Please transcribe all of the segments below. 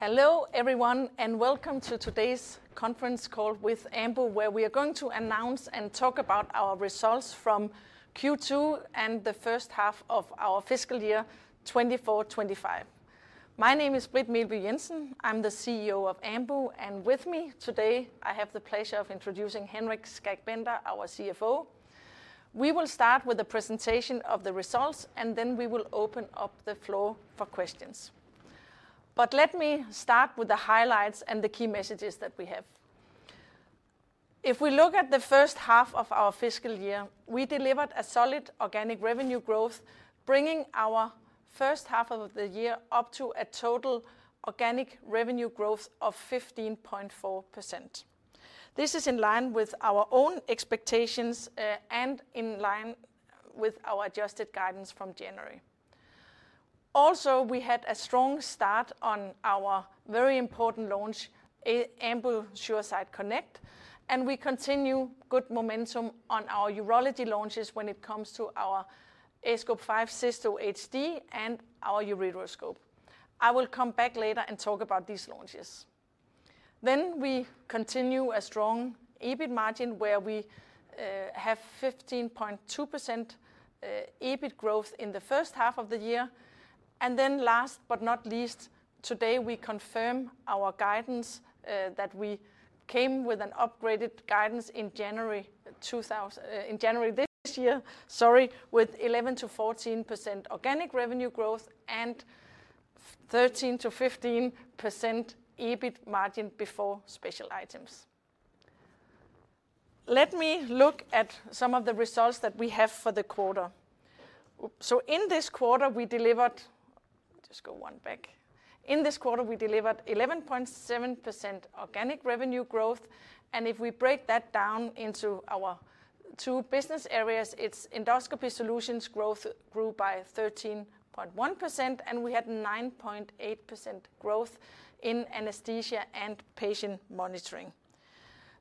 Hello everyone, and welcome to today's conference call with Ambu, where we are going to announce and talk about our results from Q2 and the first half of our fiscal year 2024-2025. My name is Britt Meelby Jensen. I'm the CEO of Ambu, and with me today, I have the pleasure of introducing Henrik Skak Bender, our CFO. We will start with the presentation of the results, and then we will open up the floor for questions. Let me start with the highlights and the key messages that we have. If we look at the first half of our fiscal year, we delivered a solid organic revenue growth, bringing our first half of the year up to a total organic revenue growth of 15.4%. This is in line with our own expectations and in line with our adjusted guidance from January. Also, we had a strong start on our very important launch, Ambu SureSight Connect, and we continue good momentum on our urology launches when it comes to our aScope 5 Cysto HD and our ureteroscope. I will come back later and talk about these launches. We continue a strong EBIT margin, where we have 15.2% EBIT growth in the first half of the year. Last but not least, today we confirm our guidance that we came with, an upgraded guidance in January this year, sorry, with 11%-14% organic revenue growth and 13%-15% EBIT margin before special items. Let me look at some of the results that we have for the quarter. In this quarter, we delivered—just go one back—in this quarter, we delivered 11.7% organic revenue growth. If we break that down into our two business areas, its Endoscopy Solutions growth grew by 13.1%, and we had 9.8% growth in Anesthesia & Patient Monitoring.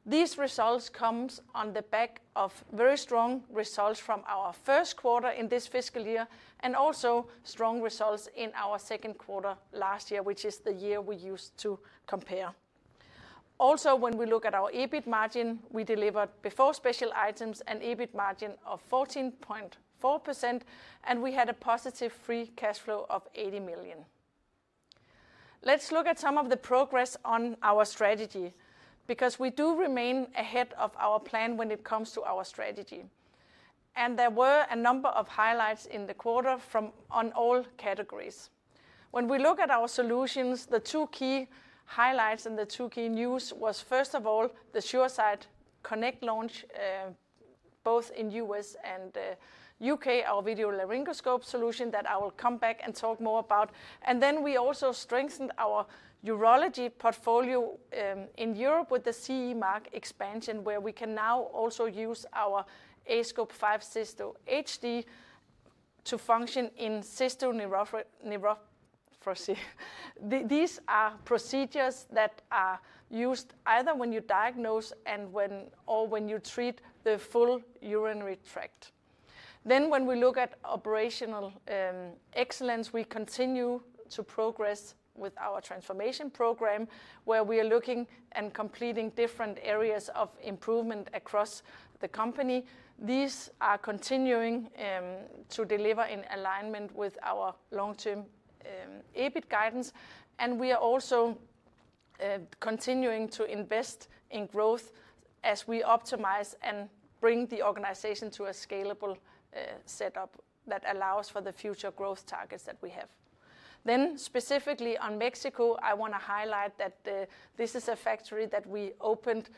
These results come on the back of very strong results from our first quarter in this fiscal year and also strong results in our second quarter last year, which is the year we used to compare. Also, when we look at our EBIT margin, we delivered before special items an EBIT margin of 14.4%, and we had a positive free cash flow of 80 million. Let's look at some of the progress on our strategy because we do remain ahead of our plan when it comes to our strategy. There were a number of highlights in the quarter from all categories. When we look at our solutions, the two key highlights and the two key news was, first of all, the SureSight Connect launch, both in the U.S. and the U.K., our video laryngoscope solution that I will come back and talk more about. Then we also strengthened our urology portfolio in Europe with the CE mark expansion, where we can now also use our aScope 5 Cysto HD to function in cystoneuropathy. These are procedures that are used either when you diagnose or when you treat the full urinary tract. When we look at operational excellence, we continue to progress with our transformation program, where we are looking and completing different areas of improvement across the company. These are continuing to deliver in alignment with our long-term EBIT guidance. We are also continuing to invest in growth as we optimize and bring the organization to a scalable setup that allows for the future growth targets that we have. Specifically on Mexico, I want to highlight that this is a factory that we opened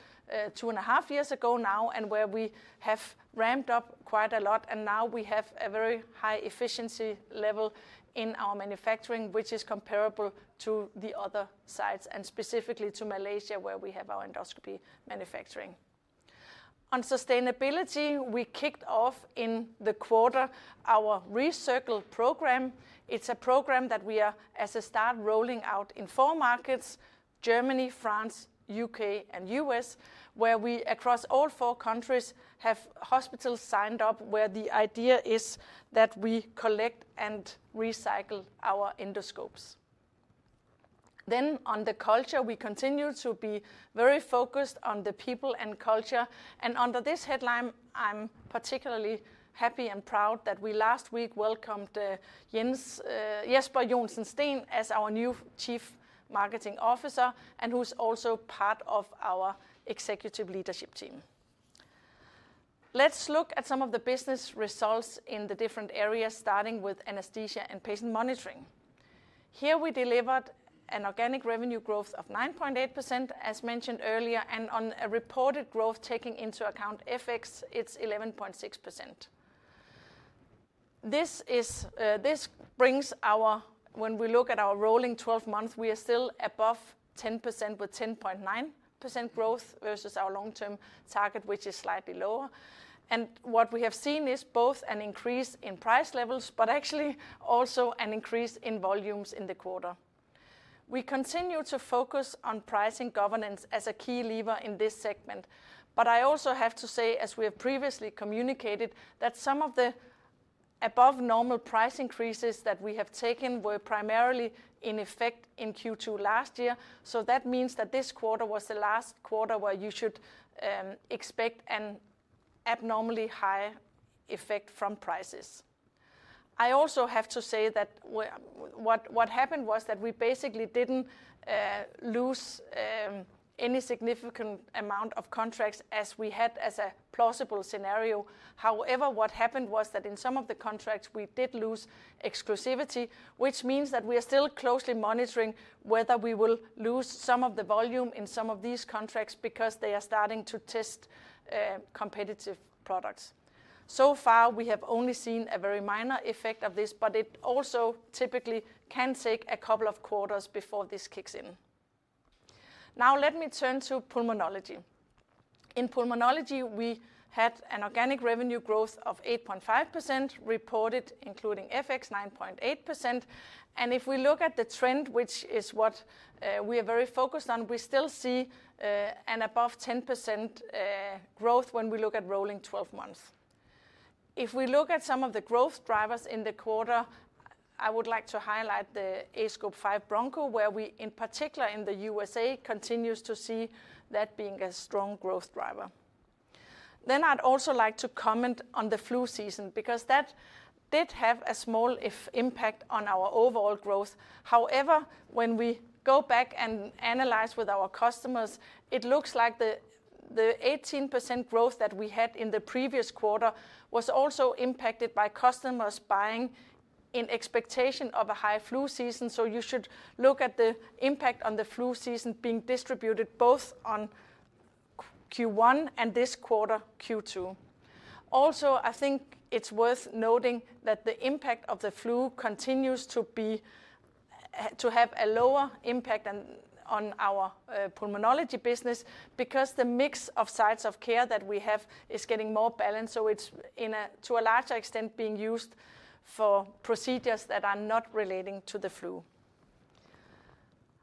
two and a half years ago now and where we have ramped up quite a lot. Now we have a very high efficiency level in our manufacturing, which is comparable to the other sites and specifically to Malaysia, where we have our endoscopy manufacturing. On sustainability, we kicked off in the quarter our Recircle Program. It is a program that we are, as a start, rolling out in four markets: Germany, France, U.K., and U.S., where we across all four countries have hospitals signed up, where the idea is that we collect and recycle our endoscopes. On the culture, we continue to be very focused on the people and culture. Under this headline, I'm particularly happy and proud that we last week welcomed Jesper Johnsen Steen as our new Chief Marketing Officer, and who's also part of our executive leadership team. Let's look at some of the business results in the different areas, starting with Anesthesia & Patient Monitoring. Here we delivered an organic revenue growth of 9.8%, as mentioned earlier, and on a reported growth taking into account FX, it's 11.6%. This brings our—when we look at our rolling 12 months, we are still above 10% with 10.9% growth versus our long-term target, which is slightly lower. What we have seen is both an increase in price levels, but actually also an increase in volumes in the quarter. We continue to focus on pricing governance as a key lever in this segment. I also have to say, as we have previously communicated, that some of the above-normal price increases that we have taken were primarily in effect in Q2 last year. That means that this quarter was the last quarter where you should expect an abnormally high effect from prices. I also have to say that what happened was that we basically did not lose any significant amount of contracts as we had as a plausible scenario. However, what happened was that in some of the contracts, we did lose exclusivity, which means that we are still closely monitoring whether we will lose some of the volume in some of these contracts because they are starting to test competitive products. So far, we have only seen a very minor effect of this, but it also typically can take a couple of quarters before this kicks in. Now let me turn to pulmonology. In pulmonology, we had an organic revenue growth of 8.5% reported, including FX, 9.8%. If we look at the trend, which is what we are very focused on, we still see an above 10% growth when we look at rolling 12 months. If we look at some of the growth drivers in the quarter, I would like to highlight the aScope 5 Broncho, where we in particular in the U.S.A. continue to see that being a strong growth driver. I would also like to comment on the flu season because that did have a small impact on our overall growth. However, when we go back and analyze with our customers, it looks like the 18% growth that we had in the previous quarter was also impacted by customers buying in expectation of a high flu season. You should look at the impact on the flu season being distributed both on Q1 and this quarter, Q2. Also, I think it's worth noting that the impact of the flu continues to have a lower impact on our pulmonology business because the mix of sites of care that we have is getting more balanced. It is to a larger extent being used for procedures that are not relating to the flu.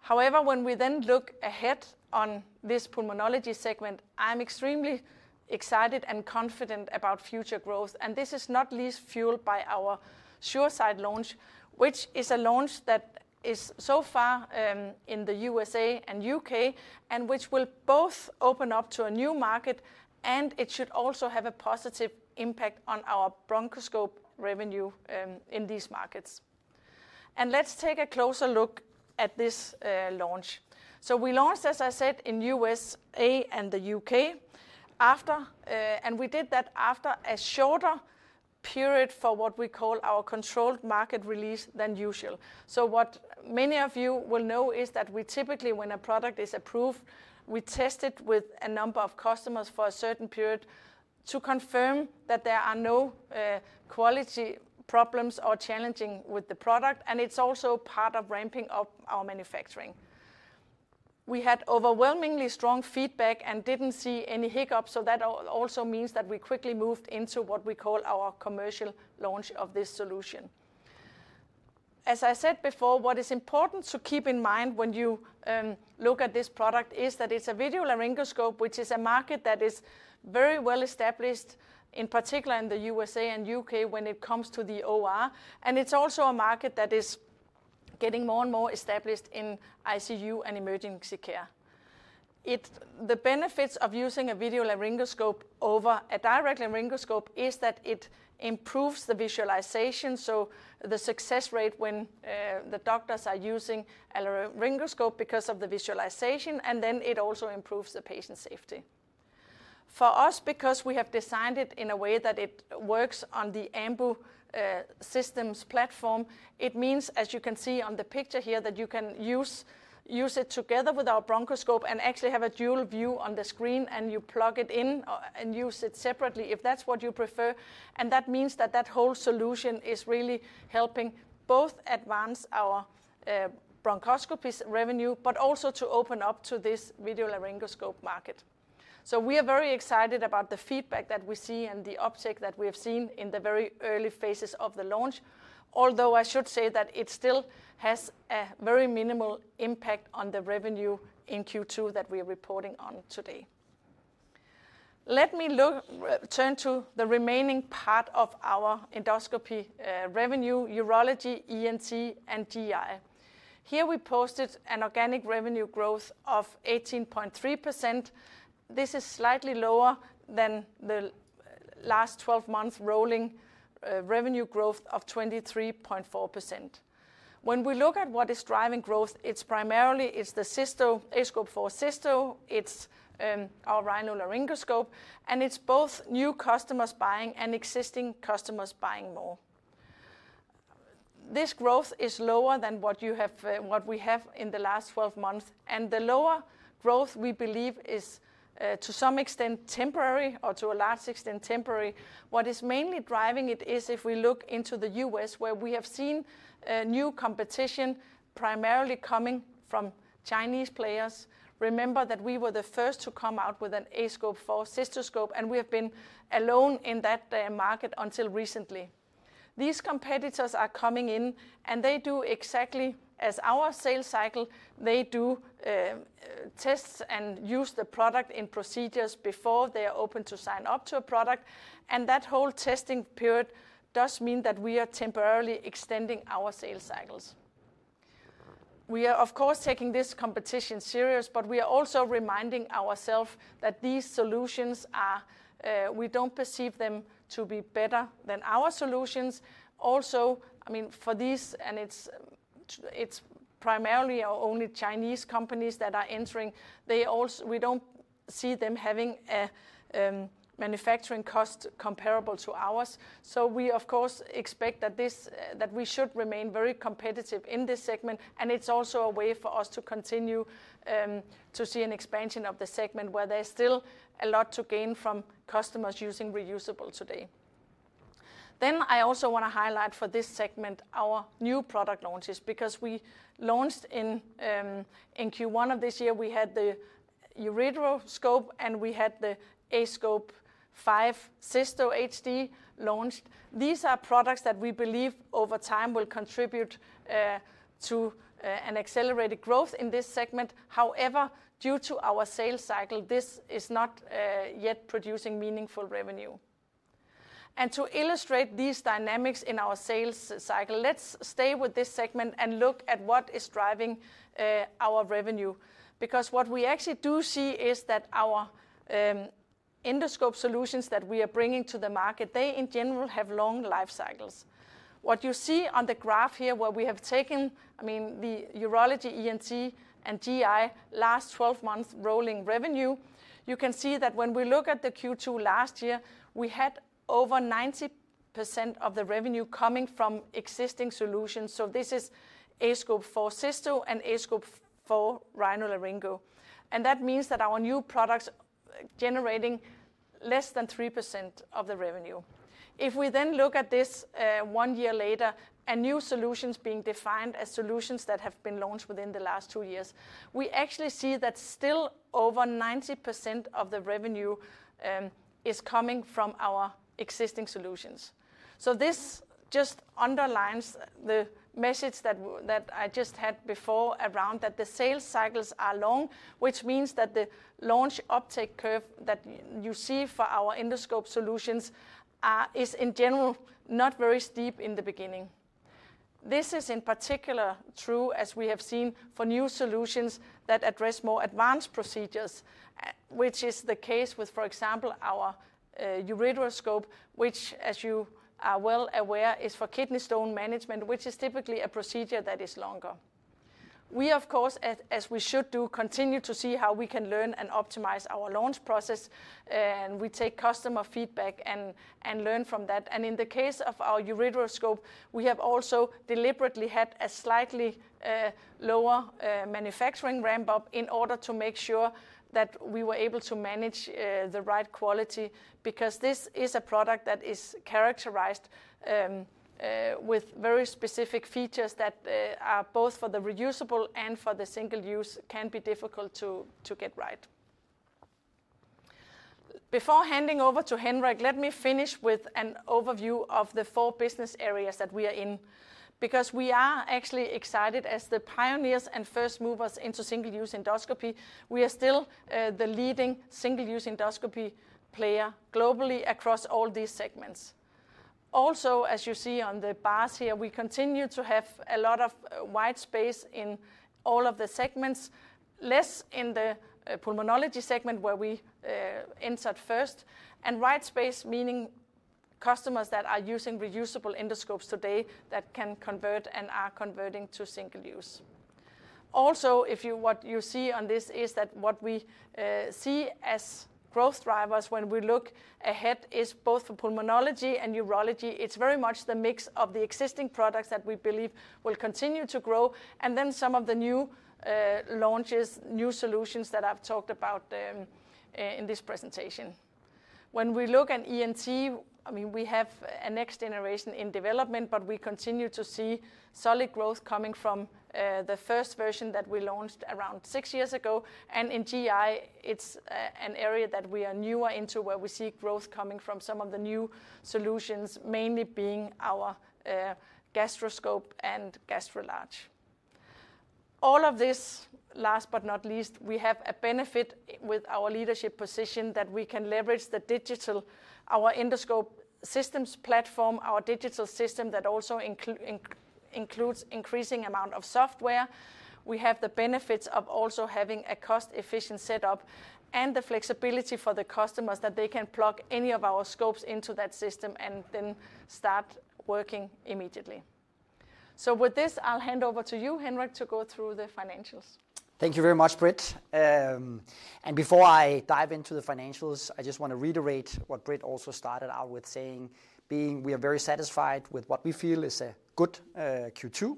However, when we then look ahead on this pulmonology segment, I'm extremely excited and confident about future growth. This is not least fueled by our SureSight launch, which is a launch that is so far in the U.S. and U.K. and which will both open up to a new market, and it should also have a positive impact on our bronchoscope revenue in these markets. Let's take a closer look at this launch. We launched, as I said, in the U.S. and the U.K., and we did that after a shorter period for what we call our controlled market release than usual. What many of you will know is that we typically, when a product is approved, test it with a number of customers for a certain period to confirm that there are no quality problems or challenges with the product. It is also part of ramping up our manufacturing. We had overwhelmingly strong feedback and did not see any hiccups. That also means that we quickly moved into what we call our commercial launch of this solution. As I said before, what is important to keep in mind when you look at this product is that it's a video laryngoscope, which is a market that is very well established, in particular in the U.S. and U.K. when it comes to the OR. It is also a market that is getting more and more established in ICU and emergency care. The benefits of using a video laryngoscope over a direct laryngoscope is that it improves the visualization, so the success rate when the doctors are using a laryngoscope because of the visualization, and then it also improves the patient safety. For us, because we have designed it in a way that it works on the Ambu systems platform, it means, as you can see on the picture here, that you can use it together with our bronchoscope and actually have a dual view on the screen, and you plug it in and use it separately if that's what you prefer. That means that that whole solution is really helping both advance our bronchoscopy revenue, but also to open up to this video laryngoscope market. We are very excited about the feedback that we see and the uptake that we have seen in the very early phases of the launch, although I should say that it still has a very minimal impact on the revenue in Q2 that we are reporting on today. Let me turn to the remaining part of our endoscopy revenue, urology, ENT, and GI. Here we posted an organic revenue growth of 18.3%. This is slightly lower than the last 12 months' rolling revenue growth of 23.4%. When we look at what is driving growth, it's primarily the aScope 4 Cysto, it's our rhinolaryngoscope, and it's both new customers buying and existing customers buying more. This growth is lower than what we have in the last 12 months. The lower growth we believe is to some extent temporary or to a large extent temporary. What is mainly driving it is if we look into the U.S., where we have seen new competition primarily coming from Chinese players. Remember that we were the first to come out with an aScope 4 Cysto, and we have been alone in that market until recently. These competitors are coming in, and they do exactly as our sales cycle. They do tests and use the product in procedures before they are open to sign up to a product. That whole testing period does mean that we are temporarily extending our sales cycles. We are, of course, taking this competition serious, but we are also reminding ourselves that these solutions, we don't perceive them to be better than our solutions. Also, I mean, for these, and it's primarily only Chinese companies that are entering, we don't see them having a manufacturing cost comparable to ours. We, of course, expect that we should remain very competitive in this segment. It is also a way for us to continue to see an expansion of the segment where there's still a lot to gain from customers using reusable today. I also want to highlight for this segment our new product launches because we launched in Q1 of this year, we had the ureteroscope, and we had the aScope 5 Cysto HD launched. These are products that we believe over time will contribute to an accelerated growth in this segment. However, due to our sales cycle, this is not yet producing meaningful revenue. To illustrate these dynamics in our sales cycle, let's stay with this segment and look at what is driving our revenue because what we actually do see is that our endoscope solutions that we are bringing to the market, they in general have long life cycles. What you see on the graph here, where we have taken, I mean, the urology, ENT, and GI last 12 months' rolling revenue, you can see that when we look at the Q2 last year, we had over 90% of the revenue coming from existing solutions. This is aScope 4 Cysto and aScope 4 RhinoLaryngo. That means that our new products are generating less than 3% of the revenue. If we then look at this one year later, and new solutions being defined as solutions that have been launched within the last two years, we actually see that still over 90% of the revenue is coming from our existing solutions. This just underlines the message that I just had before around that the sales cycles are long, which means that the launch uptake curve that you see for our endoscope solutions is in general not very steep in the beginning. This is in particular true, as we have seen, for new solutions that address more advanced procedures, which is the case with, for example, our ureteroscope, which, as you are well aware, is for kidney stone management, which is typically a procedure that is longer. We, of course, as we should do, continue to see how we can learn and optimize our launch process. We take customer feedback and learn from that. In the case of our ureteroscope, we have also deliberately had a slightly lower manufacturing ramp-up in order to make sure that we were able to manage the right quality because this is a product that is characterized with very specific features that are both for the reusable and for the single-use can be difficult to get right. Before handing over to Henrik, let me finish with an overview of the four business areas that we are in because we are actually excited as the pioneers and first movers into single-use endoscopy. We are still the leading single-use endoscopy player globally across all these segments. Also, as you see on the bars here, we continue to have a lot of white space in all of the segments, less in the pulmonology segment where we entered first, and white space meaning customers that are using reusable endoscopes today that can convert and are converting to single-use. Also, what you see on this is that what we see as growth drivers when we look ahead is both for pulmonology and urology. It's very much the mix of the existing products that we believe will continue to grow and then some of the new launches, new solutions that I've talked about in this presentation. When we look at ENT, I mean, we have a next generation in development, but we continue to see solid growth coming from the first version that we launched around six years ago. In GI, it's an area that we are newer into where we see growth coming from some of the new solutions, mainly being our gastroscope and Gastro Large. All of this, last but not least, we have a benefit with our leadership position that we can leverage the digital, our endoscope systems platform, our digital system that also includes an increasing amount of software. We have the benefits of also having a cost-efficient setup and the flexibility for the customers that they can plug any of our scopes into that system and then start working immediately. With this, I'll hand over to you, Henrik, to go through the financials. Thank you very much, Britt. Before I dive into the financials, I just want to reiterate what Britt also started out with saying, being we are very satisfied with what we feel is a good Q2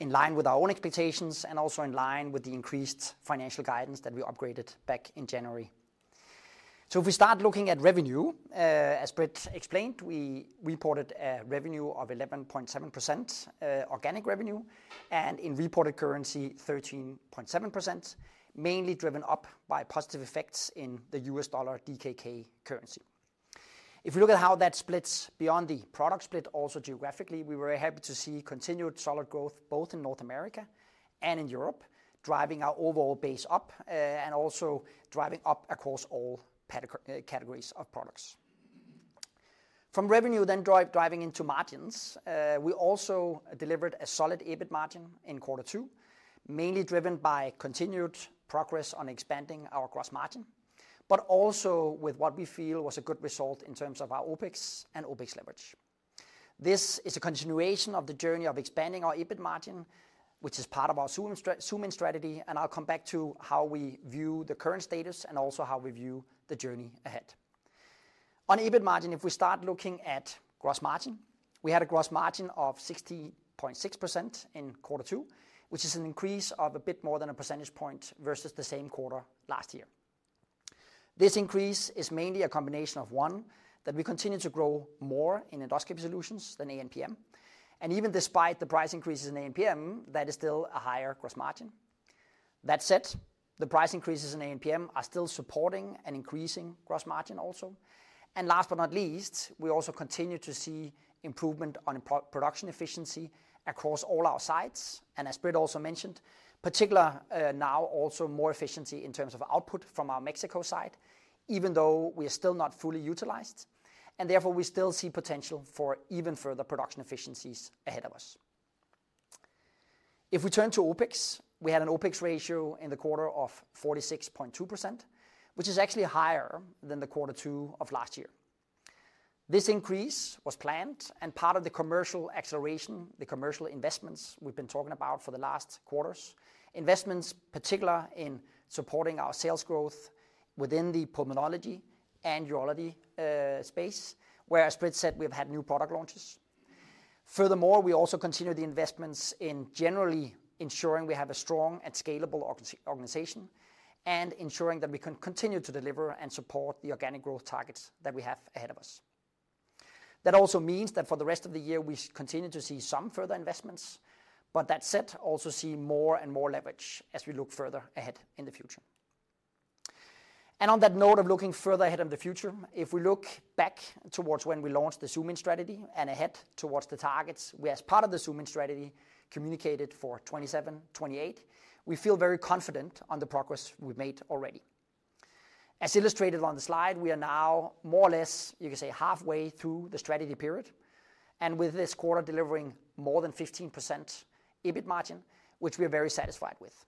in line with our own expectations and also in line with the increased financial guidance that we upgraded back in January. If we start looking at revenue, as Britt explained, we reported a revenue of 11.7% organic revenue and in reported currency, 13.7%, mainly driven up by positive effects in the U.S. dollar/DKK currency. If we look at how that splits beyond the product split, also geographically, we were happy to see continued solid growth both in North America and in Europe, driving our overall base up and also driving up across all categories of products. From revenue, then driving into margins, we also delivered a solid EBIT margin in quarter two, mainly driven by continued progress on expanding our gross margin, but also with what we feel was a good result in terms of our OpEx and OpEx leverage. This is a continuation of the journey of expanding our EBIT margin, which is part of our ZOOM IN strategy. I'll come back to how we view the current status and also how we view the journey ahead. On EBIT margin, if we start looking at gross margin, we had a gross margin of 16.6% in quarter two, which is an increase of a bit more than a percentage point versus the same quarter last year. This increase is mainly a combination of one, that we continue to grow more in Endoscopy Solutions than A&PM. Even despite the price increases in A&PM, that is still a higher gross margin. That said, the price increases in A&PM are still supporting an increasing gross margin also. Last but not least, we also continue to see improvement on production efficiency across all our sites. As Britt also mentioned, particularly now also more efficiency in terms of output from our Mexico site, even though we are still not fully utilized. Therefore, we still see potential for even further production efficiencies ahead of us. If we turn to OpEx, we had an OpEx ratio in the quarter of 46.2%, which is actually higher than the quarter two of last year. This increase was planned and part of the commercial acceleration, the commercial investments we've been talking about for the last quarters, investments particular in supporting our sales growth within the pulmonology and urology space, whereas Britt said we've had new product launches. Furthermore, we also continue the investments in generally ensuring we have a strong and scalable organization and ensuring that we can continue to deliver and support the organic growth targets that we have ahead of us. That also means that for the rest of the year, we continue to see some further investments, but that said, also see more and more leverage as we look further ahead in the future. On that note of looking further ahead in the future, if we look back towards when we launched the ZOOM IN strategy and ahead towards the targets we as part of the ZOOM IN strategy communicated for 2027, 2028, we feel very confident on the progress we've made already. As illustrated on the slide, we are now more or less, you could say, halfway through the strategy period. With this quarter delivering more than 15% EBIT margin, which we are very satisfied with.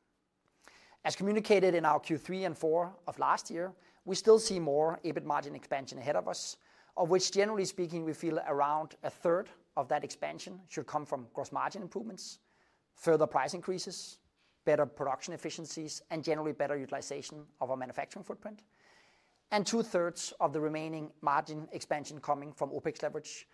As communicated in our Q3 and Q4 of last year, we still see more EBIT margin expansion ahead of us, of which, generally speaking, we feel around 1/3 of that expansion should come from gross margin improvements, further price increases, better production efficiencies, and generally better utilization of our manufacturing footprint, and 2/3 of the remaining margin expansion coming from OpEx leverage,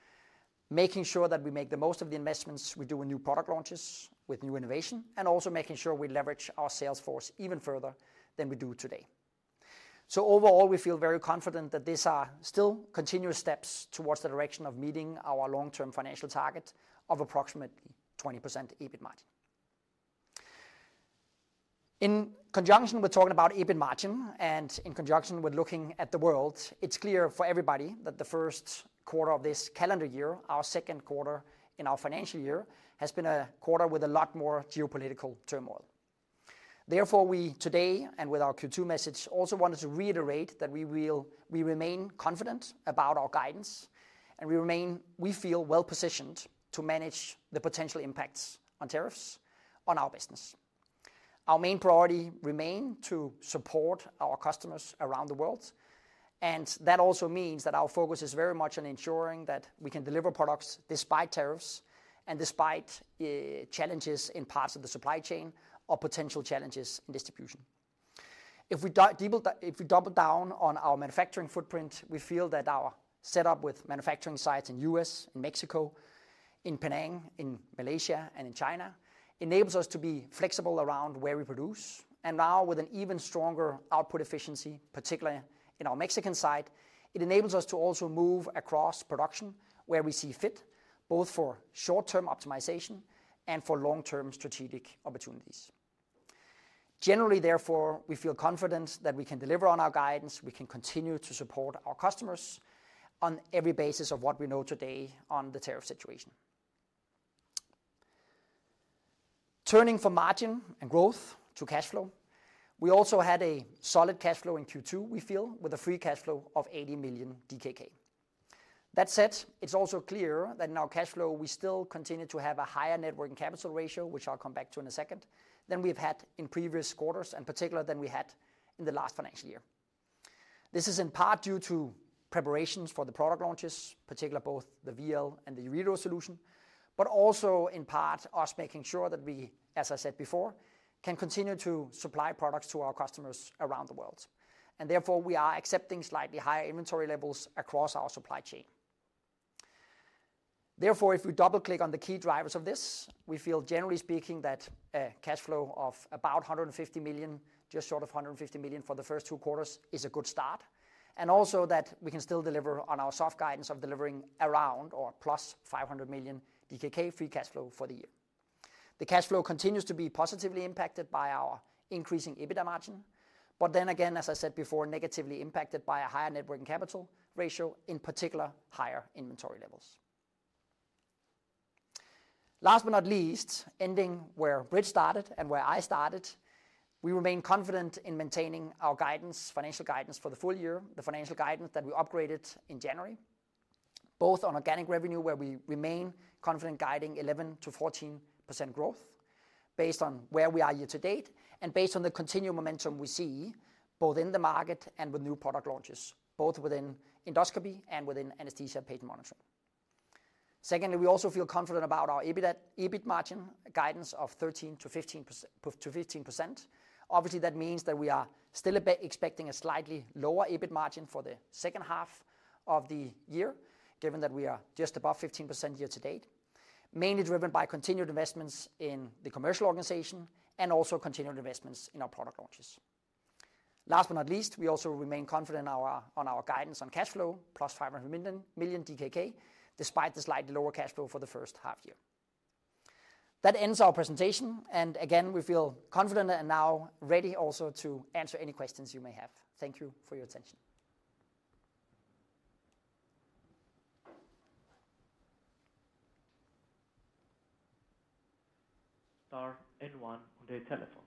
making sure that we make the most of the investments we do in new product launches with new innovation, and also making sure we leverage our sales force even further than we do today. Overall, we feel very confident that these are still continuous steps towards the direction of meeting our long-term financial target of approximately 20% EBIT margin. In conjunction, we're talking about EBIT margin, and in conjunction, we're looking at the world. It's clear for everybody that the first quarter of this calendar year, our second quarter in our financial year, has been a quarter with a lot more geopolitical turmoil. Therefore, we today and with our Q2 message also wanted to reiterate that we remain confident about our guidance, and we feel well-positioned to manage the potential impacts on tariffs on our business. Our main priority remains to support our customers around the world. That also means that our focus is very much on ensuring that we can deliver products despite tariffs and despite challenges in parts of the supply chain or potential challenges in distribution. If we double down on our manufacturing footprint, we feel that our setup with manufacturing sites in the U.S., in Mexico, in Penang, in Malaysia, and in China enables us to be flexible around where we produce. Now, with an even stronger output efficiency, particularly in our Mexican site, it enables us to also move across production where we see fit, both for short-term optimization and for long-term strategic opportunities. Generally, therefore, we feel confident that we can deliver on our guidance. We can continue to support our customers on every basis of what we know today on the tariff situation. Turning from margin and growth to cash flow, we also had a solid cash flow in Q2, we feel, with a free cash flow of 80 million DKK. That said, it's also clear that in our cash flow, we still continue to have a higher networking capital ratio, which I'll come back to in a second, than we've had in previous quarters, and particularly than we had in the last financial year. This is in part due to preparations for the product launches, particularly both the VL and the ureteral solution, but also in part us making sure that we, as I said before, can continue to supply products to our customers around the world. Therefore, we are accepting slightly higher inventory levels across our supply chain. If we double-click on the key drivers of this, we feel, generally speaking, that a cash flow of about 150 million, just short of 150 million for the first two quarters, is a good start. Also, we can still deliver on our soft guidance of delivering around or +500 million DKK free cash flow for the year. The cash flow continues to be positively impacted by our increasing EBITDA margin, but then again, as I said before, negatively impacted by a higher networking capital ratio, in particular, higher inventory levels. Last but not least, ending where Britt started and where I started, we remain confident in maintaining our guidance, financial guidance for the full year, the financial guidance that we upgraded in January, both on organic revenue, where we remain confident guiding 11%-14% growth based on where we are year to date and based on the continued momentum we see both in the market and with new product launches, both within Endoscopy Solutions and within Anesthesia & Patient Monitoring. Secondly, we also feel confident about our EBIT margin guidance of 13%-15%. Obviously, that means that we are still expecting a slightly lower EBIT margin for the second half of the year, given that we are just above 15% year to date, mainly driven by continued investments in the commercial organization and also continued investments in our product launches. Last but not least, we also remain confident on our guidance on cash flow, +500 million, despite the slightly lower cash flow for the first half year. That ends our presentation. Again, we feel confident and now ready also to answer any questions you may have. Thank you for your attention. Star and one on the telephone.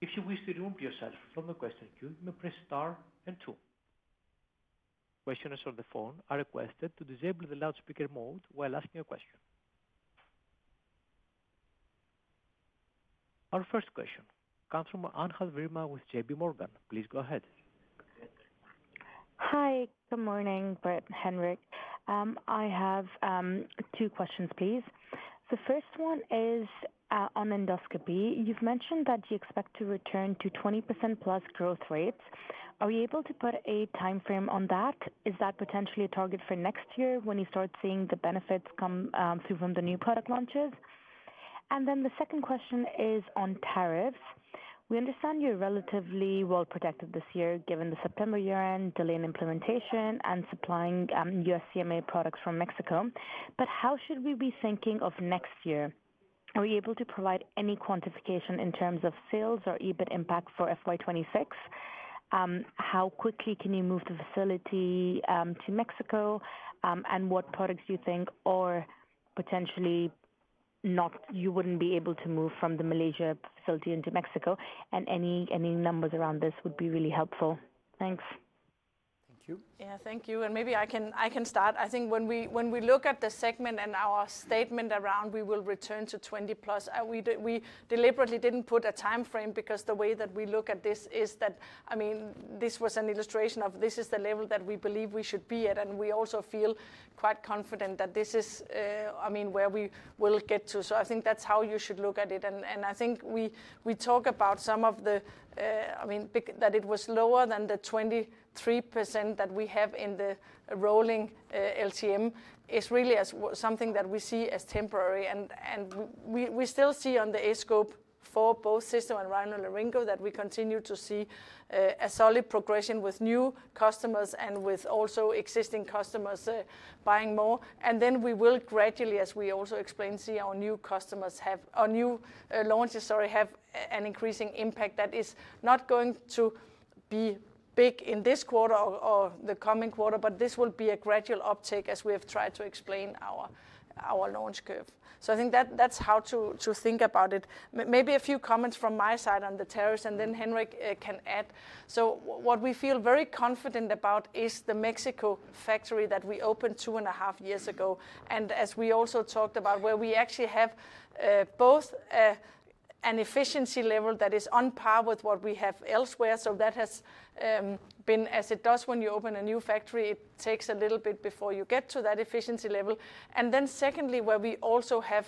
If you wish to remove yourself from the question queue, you may press star and two. Questioners on the phone are requested to disable the loudspeaker mode while asking a question. Our first question comes from Anchal Verma with JPMorgan. Please go ahead. Hi. Good morning, Britt and Henrik. I have two questions, please. The first one is on endoscopy. You have mentioned that you expect to return to 20%+ growth rates. Are you able to put a timeframe on that? Is that potentially a target for next year when you start seeing the benefits come through from the new product launches? The second question is on tariffs. We understand you're relatively well protected this year given the September year-end delay in implementation and supplying USMCA products from Mexico. How should we be thinking of next year? Are you able to provide any quantification in terms of sales or EBIT impact for FY 2026? How quickly can you move the facility to Mexico? What products do you think are potentially not, you wouldn't be able to move from the Malaysia facility into Mexico? Any numbers around this would be really helpful. Thanks. Thank you. Yeah, thank you. Maybe I can start. I think when we look at the segment and our statement around, we will return to 20%+. We deliberately did not put a timeframe because the way that we look at this is that, I mean, this was an illustration of this is the level that we believe we should be at. We also feel quite confident that this is, I mean, where we will get to. I think that is how you should look at it. I think we talk about some of the, I mean, that it was lower than the 23% that we have in the rolling LCM is really something that we see as temporary. We still see on the aScope 4 Cysto and RhinoLaryngo that we continue to see a solid progression with new customers and with also existing customers buying more. We will gradually, as we also explained, see our new customers have our new launches, sorry, have an increasing impact. That is not going to be big in this quarter or the coming quarter, but this will be a gradual uptake as we have tried to explain our launch curve. I think that is how to think about it. Maybe a few comments from my side on the tariffs, and then Henrik can add. What we feel very confident about is the Mexico factory that we opened two and a half years ago. As we also talked about, we actually have both an efficiency level that is on par with what we have elsewhere. That has been as it does when you open a new factory. It takes a little bit before you get to that efficiency level. Secondly, where we also have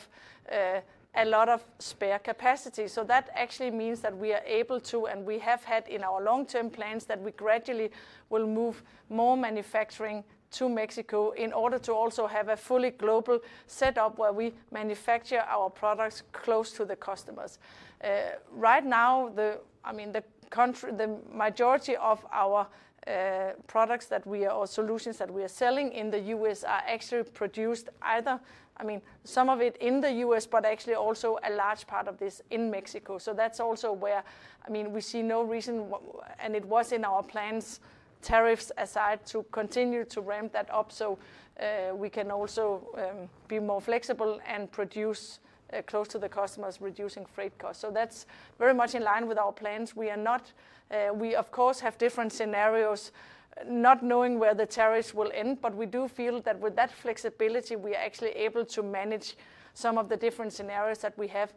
a lot of spare capacity. That actually means that we are able to, and we have had in our long-term plans that we gradually will move more manufacturing to Mexico in order to also have a fully global setup where we manufacture our products close to the customers. Right now, I mean, the majority of our products that we are or solutions that we are selling in the U.S. are actually produced either, I mean, some of it in the U.S., but actually also a large part of this in Mexico. That is also where, I mean, we see no reason, and it was in our plans, tariffs aside, to continue to ramp that up so we can also be more flexible and produce close to the customers, reducing freight costs. That is very much in line with our plans. We are not, we, of course, have different scenarios, not knowing where the tariffs will end, but we do feel that with that flexibility, we are actually able to manage some of the different scenarios that we have.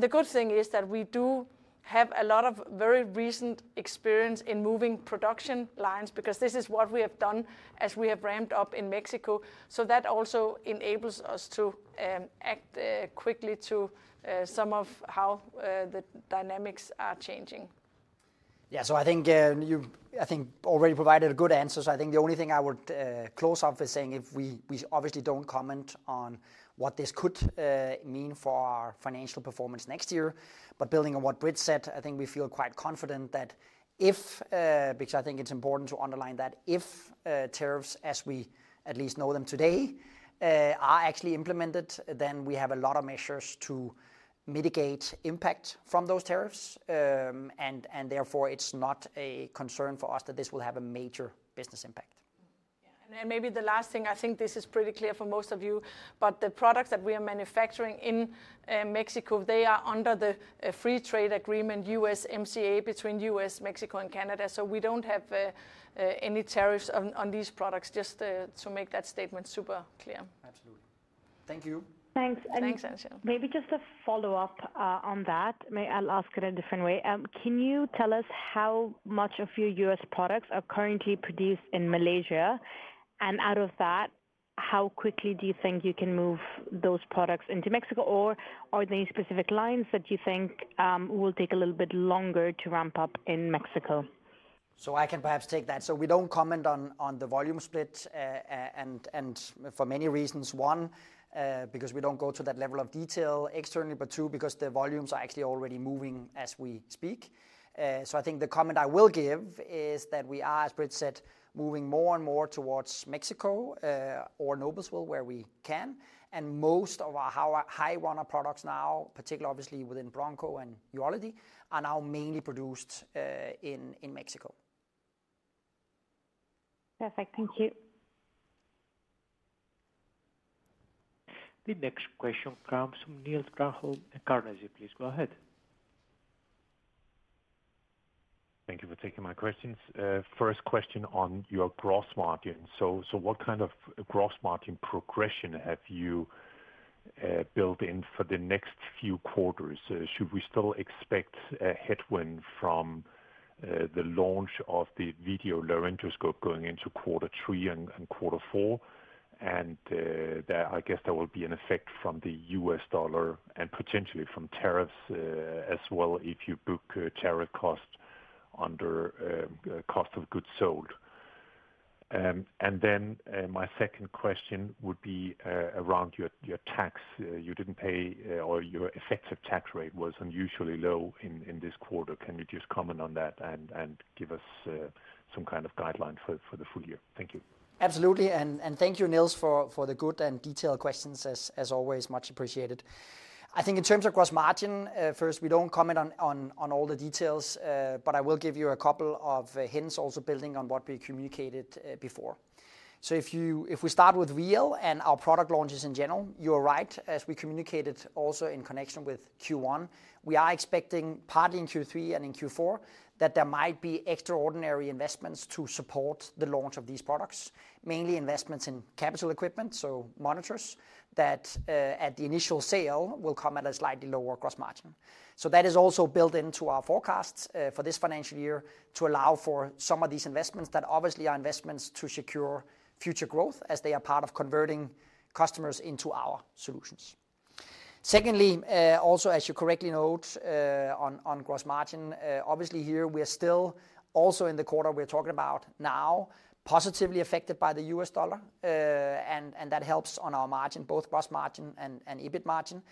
The good thing is that we do have a lot of very recent experience in moving production lines because this is what we have done as we have ramped up in Mexico. That also enables us to act quickly to some of how the dynamics are changing. Yeah, I think you, I think, already provided a good answer. I think the only thing I would close off with saying, if we obviously do not comment on what this could mean for our financial performance next year, but building on what Britt said, I think we feel quite confident that if, because I think it is important to underline that if tariffs, as we at least know them today, are actually implemented, then we have a lot of measures to mitigate impact from those tariffs. Therefore, it is not a concern for us that this will have a major business impact. Yeah. Maybe the last thing, I think this is pretty clear for most of you, but the products that we are manufacturing in Mexico, they are under the free trade agreement, USMCA, between U.S., Mexico, and Canada. We do not have any tariffs on these products, just to make that statement super clear. Absolutely. Thank you. Thanks. Thanks, Anchal. Maybe just a follow-up on that. I'll ask it a different way. Can you tell us how much of your U.S. products are currently produced in Malaysia? Out of that, how quickly do you think you can move those products into Mexico? Are there any specific lines that you think will take a little bit longer to ramp up in Mexico? I can perhaps take that. We do not comment on the volume split for many reasons. One, because we do not go to that level of detail externally, but two, because the volumes are actually already moving as we speak. I think the comment I will give is that we are, as Britt said, moving more and more towards Mexico or Noblesville where we can. Most of our high runner products now, particularly obviously within Broncho and urology, are now mainly produced in Mexico. Perfect. Thank you. The next question comes from Niels Granholm-Leth DNB Carnegie, please go ahead. Thank you for taking my questions. First question on your gross margin. What kind of gross margin progression have you built in for the next few quarters? Should we still expect a headwind from the launch of the video laryngoscope going into quarter three and quarter four? I guess there will be an effect from the U.S. dollar and potentially from tariffs as well if you book tariff cost under cost of goods sold. My second question would be around your tax. You did not pay or your effective tax rate was unusually low in this quarter. Can you just comment on that and give us some kind of guideline for the full year? Thank you. Absolutely. Thank you, Niels, for the good and detailed questions, as always. Much appreciated. I think in terms of gross margin, first, we do not comment on all the details, but I will give you a couple of hints also building on what we communicated before. If we start with VL and our product launches in general, you are right, as we communicated also in connection with Q1, we are expecting partly in Q3 and in Q4 that there might be extraordinary investments to support the launch of these products, mainly investments in capital equipment, so monitors that at the initial sale will come at a slightly lower gross margin. That is also built into our forecasts for this financial year to allow for some of these investments that obviously are investments to secure future growth as they are part of converting customers into our solutions. Secondly, also, as you correctly note on gross margin, obviously here we are still also in the quarter we are talking about now positively affected by the U.S. dollar. That helps on our margin, both gross margin and EBIT margin.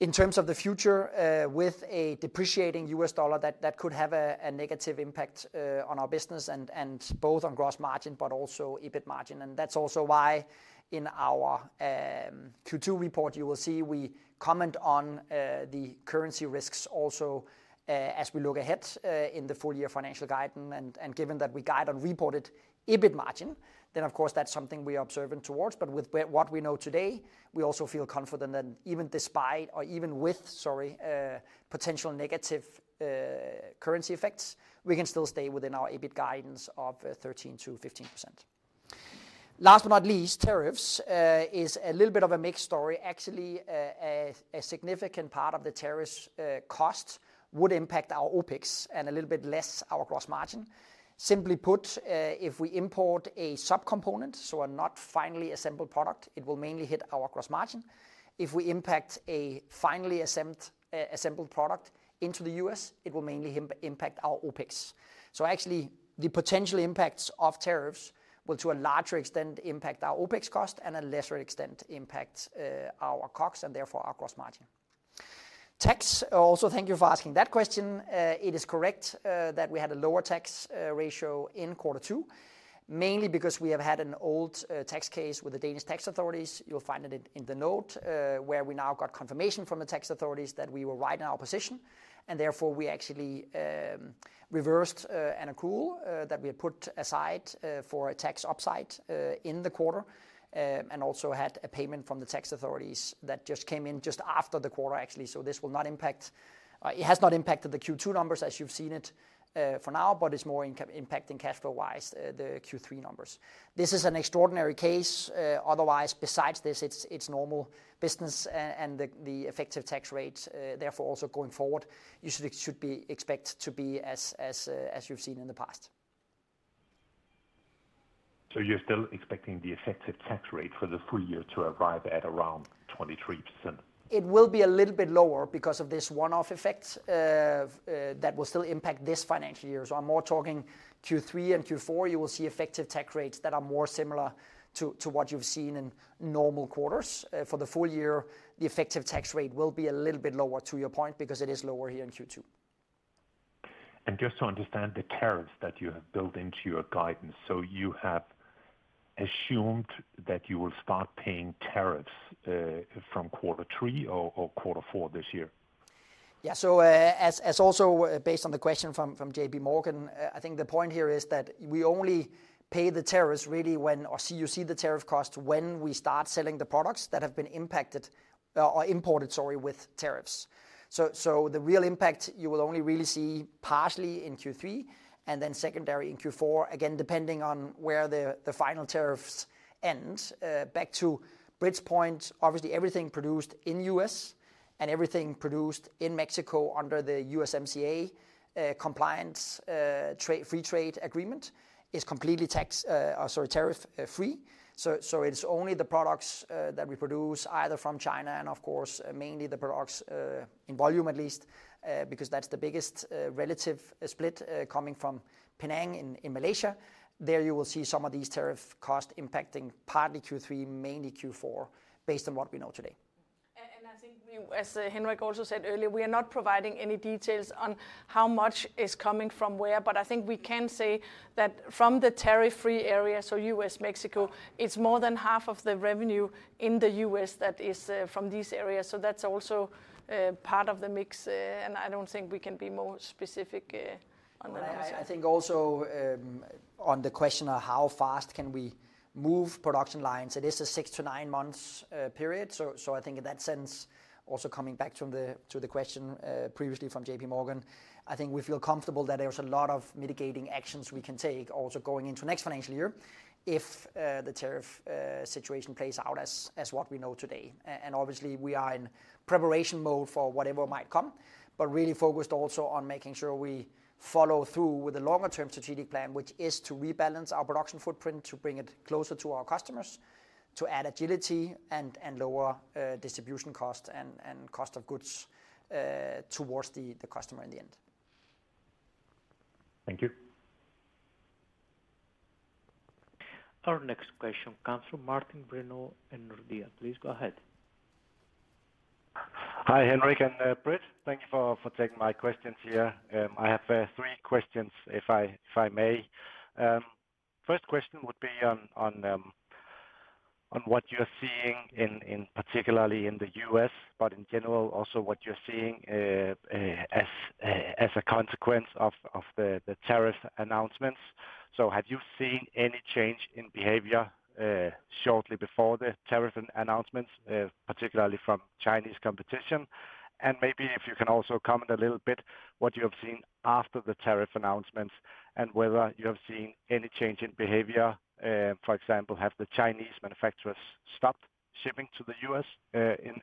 In terms of the future with a depreciating U.S. dollar, that could have a negative impact on our business and both on gross margin, but also EBIT margin. That is also why in our Q2 report, you will see we comment on the currency risks also as we look ahead in the full year financial guidance. Given that we guide on reported EBIT margin, then of course, that is something we are observant towards. With what we know today, we also feel confident that even despite or even with, sorry, potential negative currency effects, we can still stay within our EBIT guidance of 13%-15%. Last but not least, tariffs is a little bit of a mixed story. Actually, a significant part of the tariffs cost would impact our OpEx and a little bit less our gross margin. Simply put, if we import a subcomponent, so a not finally assembled product, it will mainly hit our gross margin. If we import a finally assembled product into the U.S., it will mainly impact our OpEx. Actually, the potential impacts of tariffs will, to a larger extent, impact our OpEx cost and to a lesser extent impact our COGS and therefore our gross margin. Tax, also thank you for asking that question. It is correct that we had a lower tax ratio in quarter two, mainly because we have had an old tax case with the Danish tax authorities. You'll find it in the note where we now got confirmation from the tax authorities that we were right in our position. Therefore, we actually reversed an accrual that we had put aside for a tax upside in the quarter and also had a payment from the tax authorities that just came in just after the quarter, actually. This will not impact, it has not impacted, the Q2 numbers as you've seen it for now, but it's more impacting cash flow-wise, the Q3 numbers. This is an extraordinary case. Otherwise, besides this, it's normal business and the effective tax rate, therefore also going forward, you should expect to be as you've seen in the past. You're still expecting the effective tax rate for the full year to arrive at around 23%? It will be a little bit lower because of this one-off effect that will still impact this financial year. I'm more talking Q3 and Q4, you will see effective tax rates that are more similar to what you've seen in normal quarters. For the full year, the effective tax rate will be a little bit lower, to your point, because it is lower here in Q2. Just to understand the tariffs that you have built into your guidance, you have assumed that you will start paying tariffs from quarter three or quarter four this year? Yeah. As also based on the question from JPMorgan, I think the point here is that we only pay the tariffs really when, or you see the tariff cost when we start selling the products that have been impacted or imported, sorry, with tariffs. The real impact you will only really see partially in Q3 and then secondary in Q4, again, depending on where the final tariffs end. Back to Britt's point, obviously everything produced in the U.S. and everything produced in Mexico under the USMCA compliance free trade agreement is completely tax, or sorry, tariff-free. It is only the products that we produce either from China and, of course, mainly the products in volume at least, because that is the biggest relative split coming from Penang in Malaysia. There you will see some of these tariff costs impacting partly Q3, mainly Q4, based on what we know today. I think as Henrik also said earlier, we are not providing any details on how much is coming from where, but I think we can say that from the tariff-free area, so U.S., Mexico, it is more than half of the revenue in the U.S. that is from these areas. That is also part of the mix. I do not think we can be more specific on that. I think also on the question of how fast can we move production lines, it is a six- to nine-month period. I think in that sense, also coming back to the question previously from JPMorgan, we feel comfortable that there are a lot of mitigating actions we can take also going into next financial year if the tariff situation plays out as what we know today. Obviously, we are in preparation mode for whatever might come, but really focused also on making sure we follow through with a longer-term strategic plan, which is to rebalance our production footprint, to bring it closer to our customers, to add agility and lower distribution costs and cost of goods towards the customer in the end. Thank you. Our next question comes from Martin Brenøe, Nordea. Please go ahead. Hi Henrik and Britt. Thank you for taking my questions here. I have three questions if I may. First question would be on what you're seeing in particularly in the U.S., but in general also what you're seeing as a consequence of the tariff announcements. Have you seen any change in behavior shortly before the tariff announcements, particularly from Chinese competition? Maybe if you can also comment a little bit what you have seen after the tariff announcements and whether you have seen any change in behavior. For example, have the Chinese manufacturers stopped shipping to the U.S.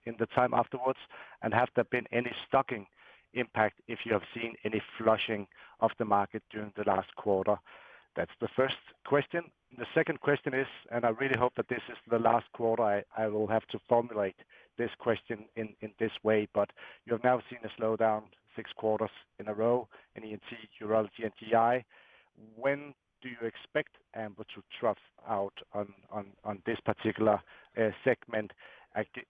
in the time afterwards? Has there been any stocking impact if you have seen any flushing of the market during the last quarter? That's the first question. The second question is, and I really hope that this is the last quarter I will have to formulate this question in this way, but you have now seen a slowdown six quarters in a row in ENT, urology, and GI. When do you expect Ambu to trough out on this particular segment?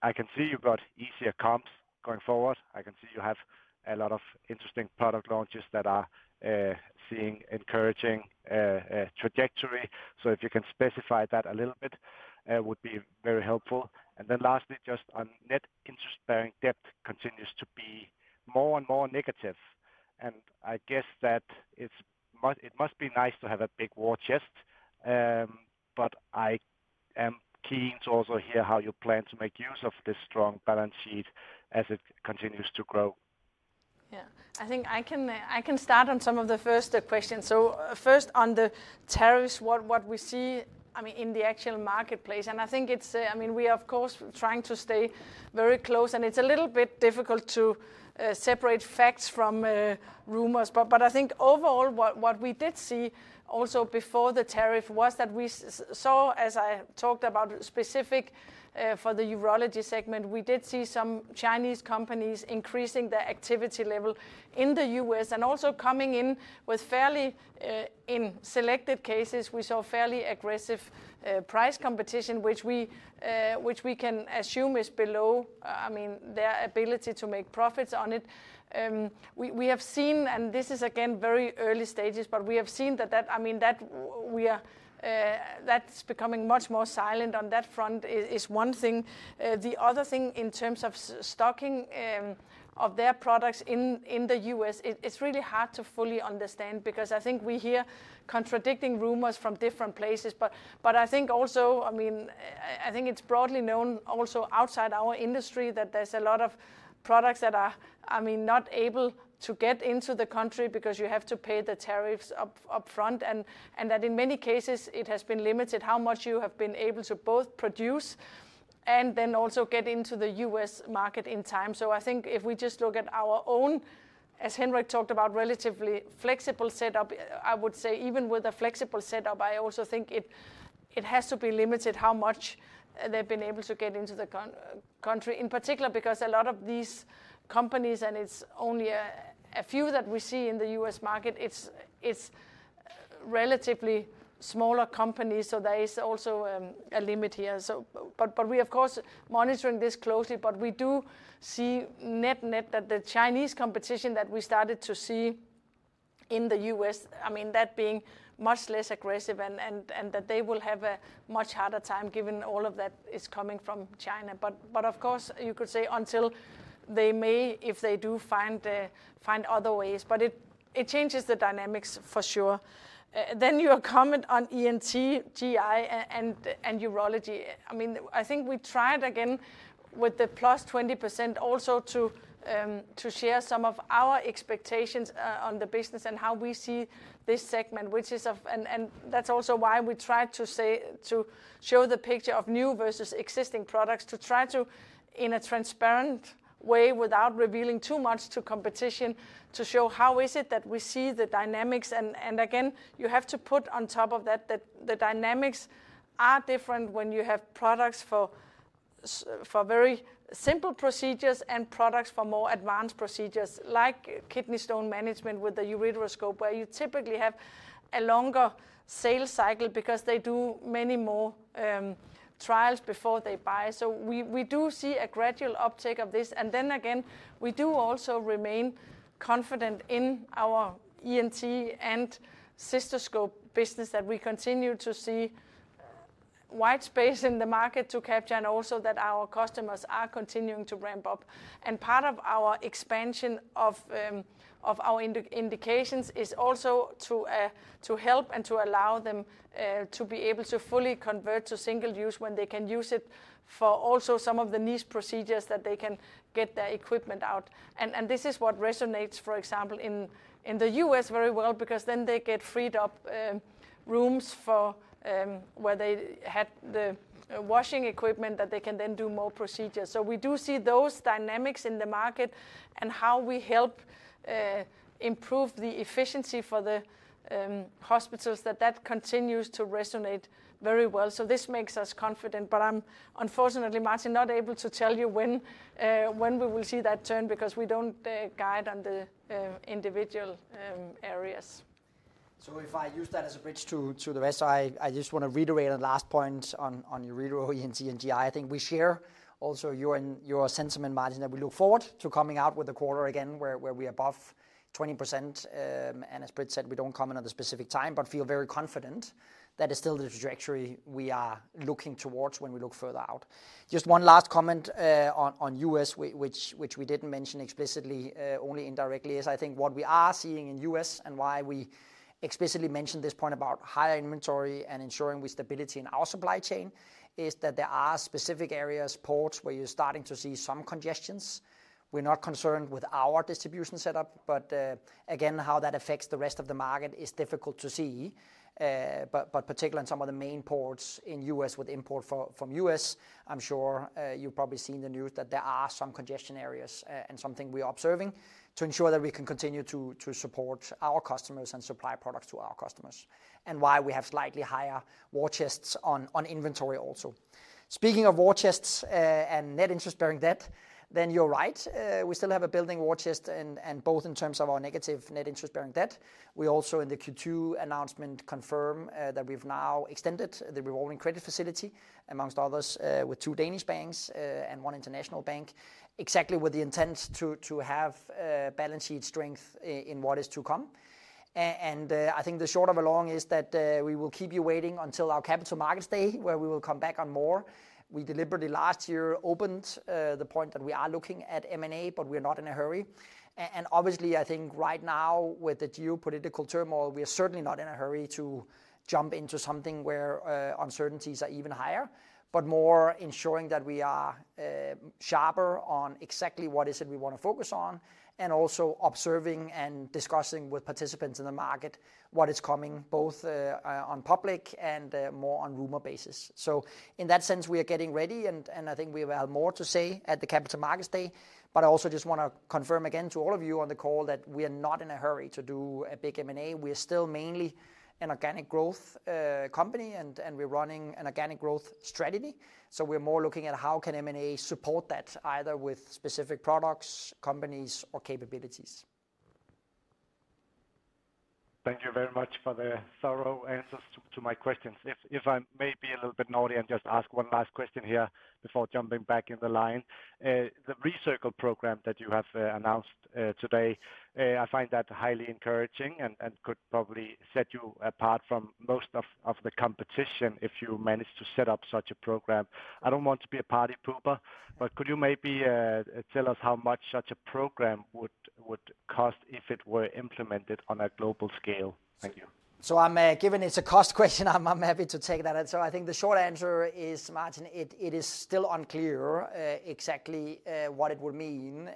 I can see you've got easier comps going forward. I can see you have a lot of interesting product launches that are seeing encouraging trajectory. If you can specify that a little bit, it would be very helpful. Lastly, just on net interest-bearing debt, it continues to be more and more negative. I guess that it must be nice to have a big war chest, but I am keen to also hear how you plan to make use of this strong balance sheet as it continues to grow. Yeah. I think I can start on some of the first questions. First on the tariffs, what we see, I mean, in the actual marketplace. I think it's, I mean, we are of course trying to stay very close, and it's a little bit difficult to separate facts from rumors. I think overall, what we did see also before the tariff was that we saw, as I talked about specific for the urology segment, we did see some Chinese companies increasing their activity level in the U.S. and also coming in with fairly, in selected cases, we saw fairly aggressive price competition, which we can assume is below, I mean, their ability to make profits on it. We have seen, and this is again very early stages, but we have seen that, I mean, that we are that's becoming much more silent on that front is one thing. The other thing in terms of stocking of their products in the U.S., it's really hard to fully understand because I think we hear contradicting rumors from different places. I think also, I mean, I think it's broadly known also outside our industry that there's a lot of products that are, I mean, not able to get into the country because you have to pay the tariffs upfront and that in many cases, it has been limited how much you have been able to both produce and then also get into the U.S. market in time. I think if we just look at our own, as Henrik talked about, relatively flexible setup, I would say even with a flexible setup, I also think it has to be limited how much they've been able to get into the country, in particular because a lot of these companies, and it's only a few that we see in the U.S. market, it's relatively smaller companies. There is also a limit here. We are of course monitoring this closely, but we do see net-net that the Chinese competition that we started to see in the U.S., I mean, that being much less aggressive and that they will have a much harder time given all of that is coming from China. Of course, you could say until they may, if they do find other ways, but it changes the dynamics for sure. Your comment on ENT, GI, and urology. I mean, I think we tried again with the +20% also to share some of our expectations on the business and how we see this segment, which is of, and that is also why we tried to show the picture of new versus existing products to try to, in a transparent way without revealing too much to competition, to show how is it that we see the dynamics. You have to put on top of that that the dynamics are different when you have products for very simple procedures and products for more advanced procedures like kidney stone management with the ureteroscope, where you typically have a longer sales cycle because they do many more trials before they buy. We do see a gradual uptake of this. We do also remain confident in our ENT and cystoscope business that we continue to see white space in the market to capture and also that our customers are continuing to ramp up. Part of our expansion of our indications is also to help and to allow them to be able to fully convert to single use when they can use it for also some of the niche procedures that they can get their equipment out. This is what resonates, for example, in the U.S. very well because then they get freed up rooms where they had the washing equipment that they can then do more procedures. We do see those dynamics in the market and how we help improve the efficiency for the hospitals. That continues to resonate very well. This makes us confident, but I'm unfortunately, Martin, not able to tell you when we will see that turn because we do not guide on the individual areas. If I use that as a bridge to the rest, I just want to reiterate a last point on uretero, ENT, and GI. I think we share also your sentiment, Martin, that we look forward to coming out with the quarter again where we are above 20%. As Britt said, we do not comment on the specific time, but feel very confident that is still the trajectory we are looking towards when we look further out. Just one last comment on the U.S., which we did not mention explicitly, only indirectly, is I think what we are seeing in the U.S. and why we explicitly mentioned this point about higher inventory and ensuring stability in our supply chain is that there are specific areas, ports, where you are starting to see some congestions. We are not concerned with our distribution setup, but again, how that affects the rest of the market is difficult to see. Particularly in some of the main ports in the U.S. with import from the U.S., I'm sure you've probably seen the news that there are some congestion areas and something we are observing to ensure that we can continue to support our customers and supply products to our customers and why we have slightly higher war chests on inventory also. Speaking of war chests and net interest-bearing debt, then you're right. We still have a building war chest and both in terms of our negative net interest-bearing debt. We also in the Q2 announcement confirm that we've now extended the revolving credit facility amongst others with two Danish banks and one international bank, exactly with the intent to have balance sheet strength in what is to come. I think the short of a long is that we will keep you waiting until our Capital Markets Day where we will come back on more. We deliberately last year opened the point that we are looking at M&A, but we're not in a hurry. Obviously, I think right now with the geopolitical turmoil, we are certainly not in a hurry to jump into something where uncertainties are even higher, but more ensuring that we are sharper on exactly what is it we want to focus on and also observing and discussing with participants in the market what is coming both on public and more on rumor basis. In that sense, we are getting ready and I think we have more to say at the Capital Markets Day. I also just want to confirm again to all of you on the call that we are not in a hurry to do a big M&A. We are still mainly an organic growth company and we're running an organic growth strategy. We are more looking at how can M&A support that either with specific products, companies, or capabilities. Thank you very much for the thorough answers to my questions. If I may be a little bit naughty and just ask one last question here before jumping back in the line. The Recircle Program that you have announced today, I find that highly encouraging and could probably set you apart from most of the competition if you manage to set up such a program. I don't want to be a party pooper, but could you maybe tell us how much such a program would cost if it were implemented on a global scale? Thank you. I'm given it's a cost question. I'm happy to take that. I think the short answer is, Martin, it is still unclear exactly what it would mean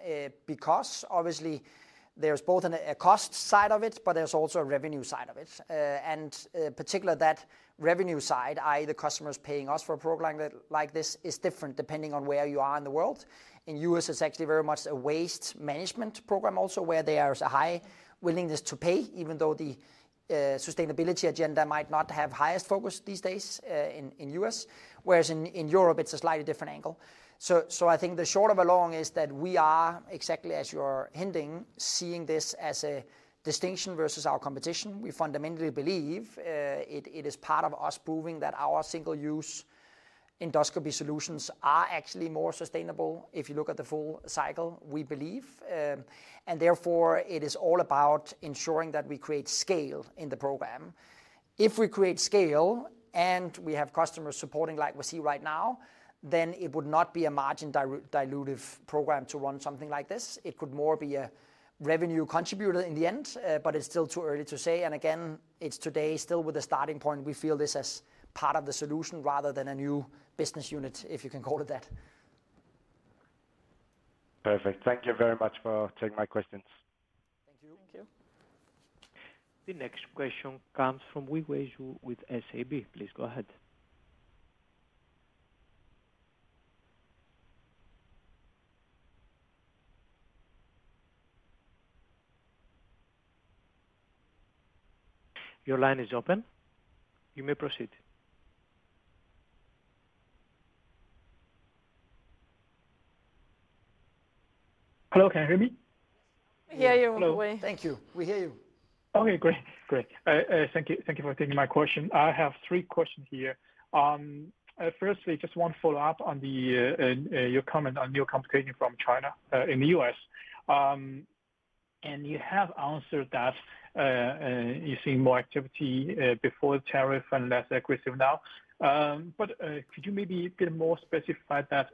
because obviously there's both a cost side of it, but there's also a revenue side of it. Particularly that revenue side, i.e., the customers paying us for a program like this, is different depending on where you are in the world. In the U.S., it's actually very much a waste management program also where there's a high willingness to pay, even though the sustainability agenda might not have highest focus these days in the U.S., whereas in Europe, it's a slightly different angle. I think the short of a long is that we are, exactly as you're hinting, seeing this as a distinction versus our competition. We fundamentally believe it is part of us proving that our single-use Endoscopy Solutions are actually more sustainable if you look at the full cycle, we believe. Therefore, it is all about ensuring that we create scale in the program. If we create scale and we have customers supporting like we see right now, then it would not be a margin dilutive program to run something like this. It could more be a revenue contributor in the end, but it's still too early to say. Again, it's today still with a starting point, we feel this as part of the solution rather than a new business unit, if you can call it that. Perfect. Thank you very much for taking my questions. Thank you. Thank you. The next question comes from Yiwei Zhou with SEB. Please go ahead. Your line is open. You may proceed. Hello. Can you hear me? We hear you, Yiwei. Thank you. We hear you. Okay. Great. Great. Thank you for taking my question. I have three questions here. Firstly, just one follow-up on your comment on new competition from China in the U.S. And you have answered that you're seeing more activity before the tariff and less aggressive now. Could you maybe a bit more specify that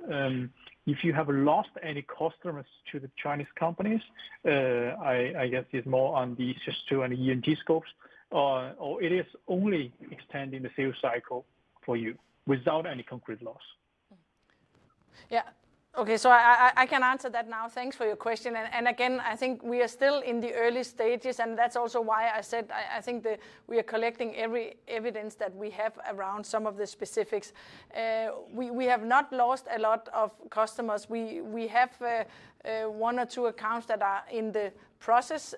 if you have lost any customers to the Chinese companies, I guess it's more on the cysto and ENT scopes, or it is only extending the sales cycle for you without any concrete loss? Yeah. Okay. I can answer that now. Thanks for your question. I think we are still in the early stages, and that's also why I said I think we are collecting every evidence that we have around some of the specifics. We have not lost a lot of customers. We have one or two accounts that are in the process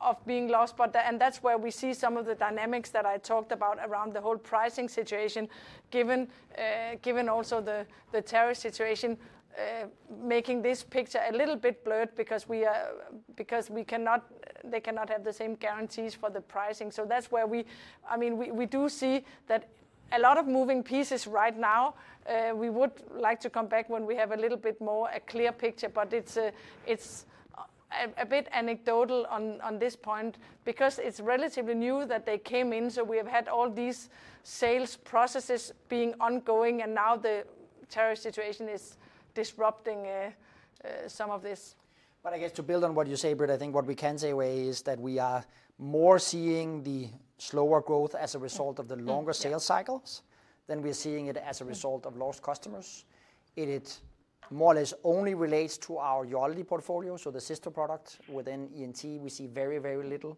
of being lost, and that's where we see some of the dynamics that I talked about around the whole pricing situation, given also the tariff situation, making this picture a little bit blurred because we cannot have the same guarantees for the pricing. I mean, we do see that a lot of moving pieces right now. We would like to come back when we have a little bit more a clear picture, but it's a bit anecdotal on this point because it's relatively new that they came in. We have had all these sales processes being ongoing, and now the tariff situation is disrupting some of this. I guess to build on what you say, Britt, I think what we can say is that we are more seeing the slower growth as a result of the longer sales cycles than we are seeing it as a result of lost customers. It more or less only relates to our urology portfolio. The cysto products within ENT, we see very, very little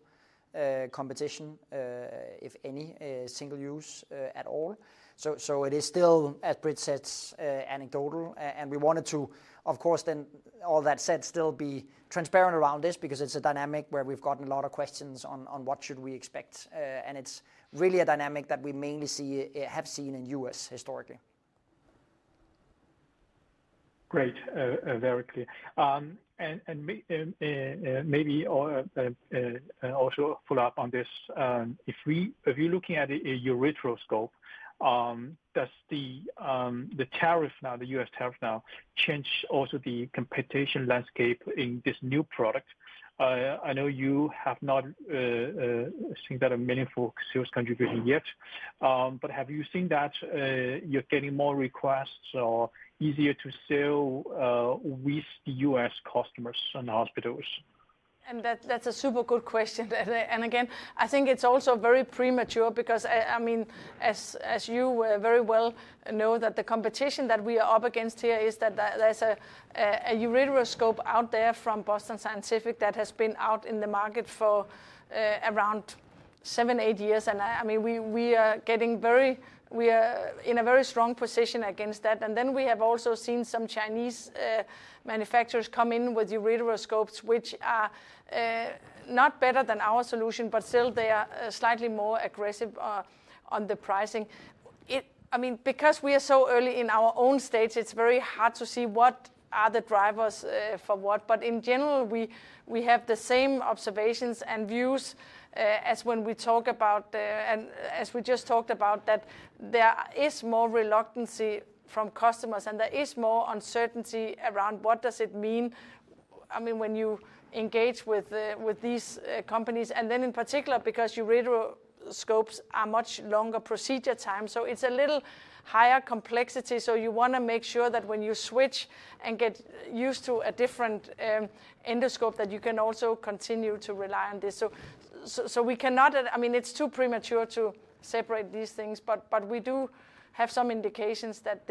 competition, if any, single use at all. It is still, as Britt said, anecdotal. We wanted to, of course, then all that said, still be transparent around this because it is a dynamic where we have gotten a lot of questions on what should we expect. It is really a dynamic that we mainly have seen in the U.S. historically. Great. Very clear. Maybe also follow up on this. If you're looking at a ureteroscope, does the U.S. tariff now change also the competition landscape in this new product? I know you have not seen a meaningful sales contribution yet, but have you seen that you're getting more requests or it is easier to sell with U.S. customers and hospitals? That's a super good question. Again, I think it's also very premature because, I mean, as you very well know, the competition that we are up against here is that there's a ureteroscope out there from Boston Scientific that has been out in the market for around seven to eight years. I mean, we are getting in a very strong position against that. We have also seen some Chinese manufacturers come in with ureteroscopes, which are not better than our solution, but still they are slightly more aggressive on the pricing. I mean, because we are so early in our own state, it's very hard to see what are the drivers for what. In general, we have the same observations and views as when we talk about, and as we just talked about, that there is more reluctance from customers and there is more uncertainty around what does it mean, I mean, when you engage with these companies. In particular, because ureteroscopes are much longer procedure time, so it's a little higher complexity. You want to make sure that when you switch and get used to a different endoscope, that you can also continue to rely on this. We cannot, I mean, it's too premature to separate these things, but we do have some indications that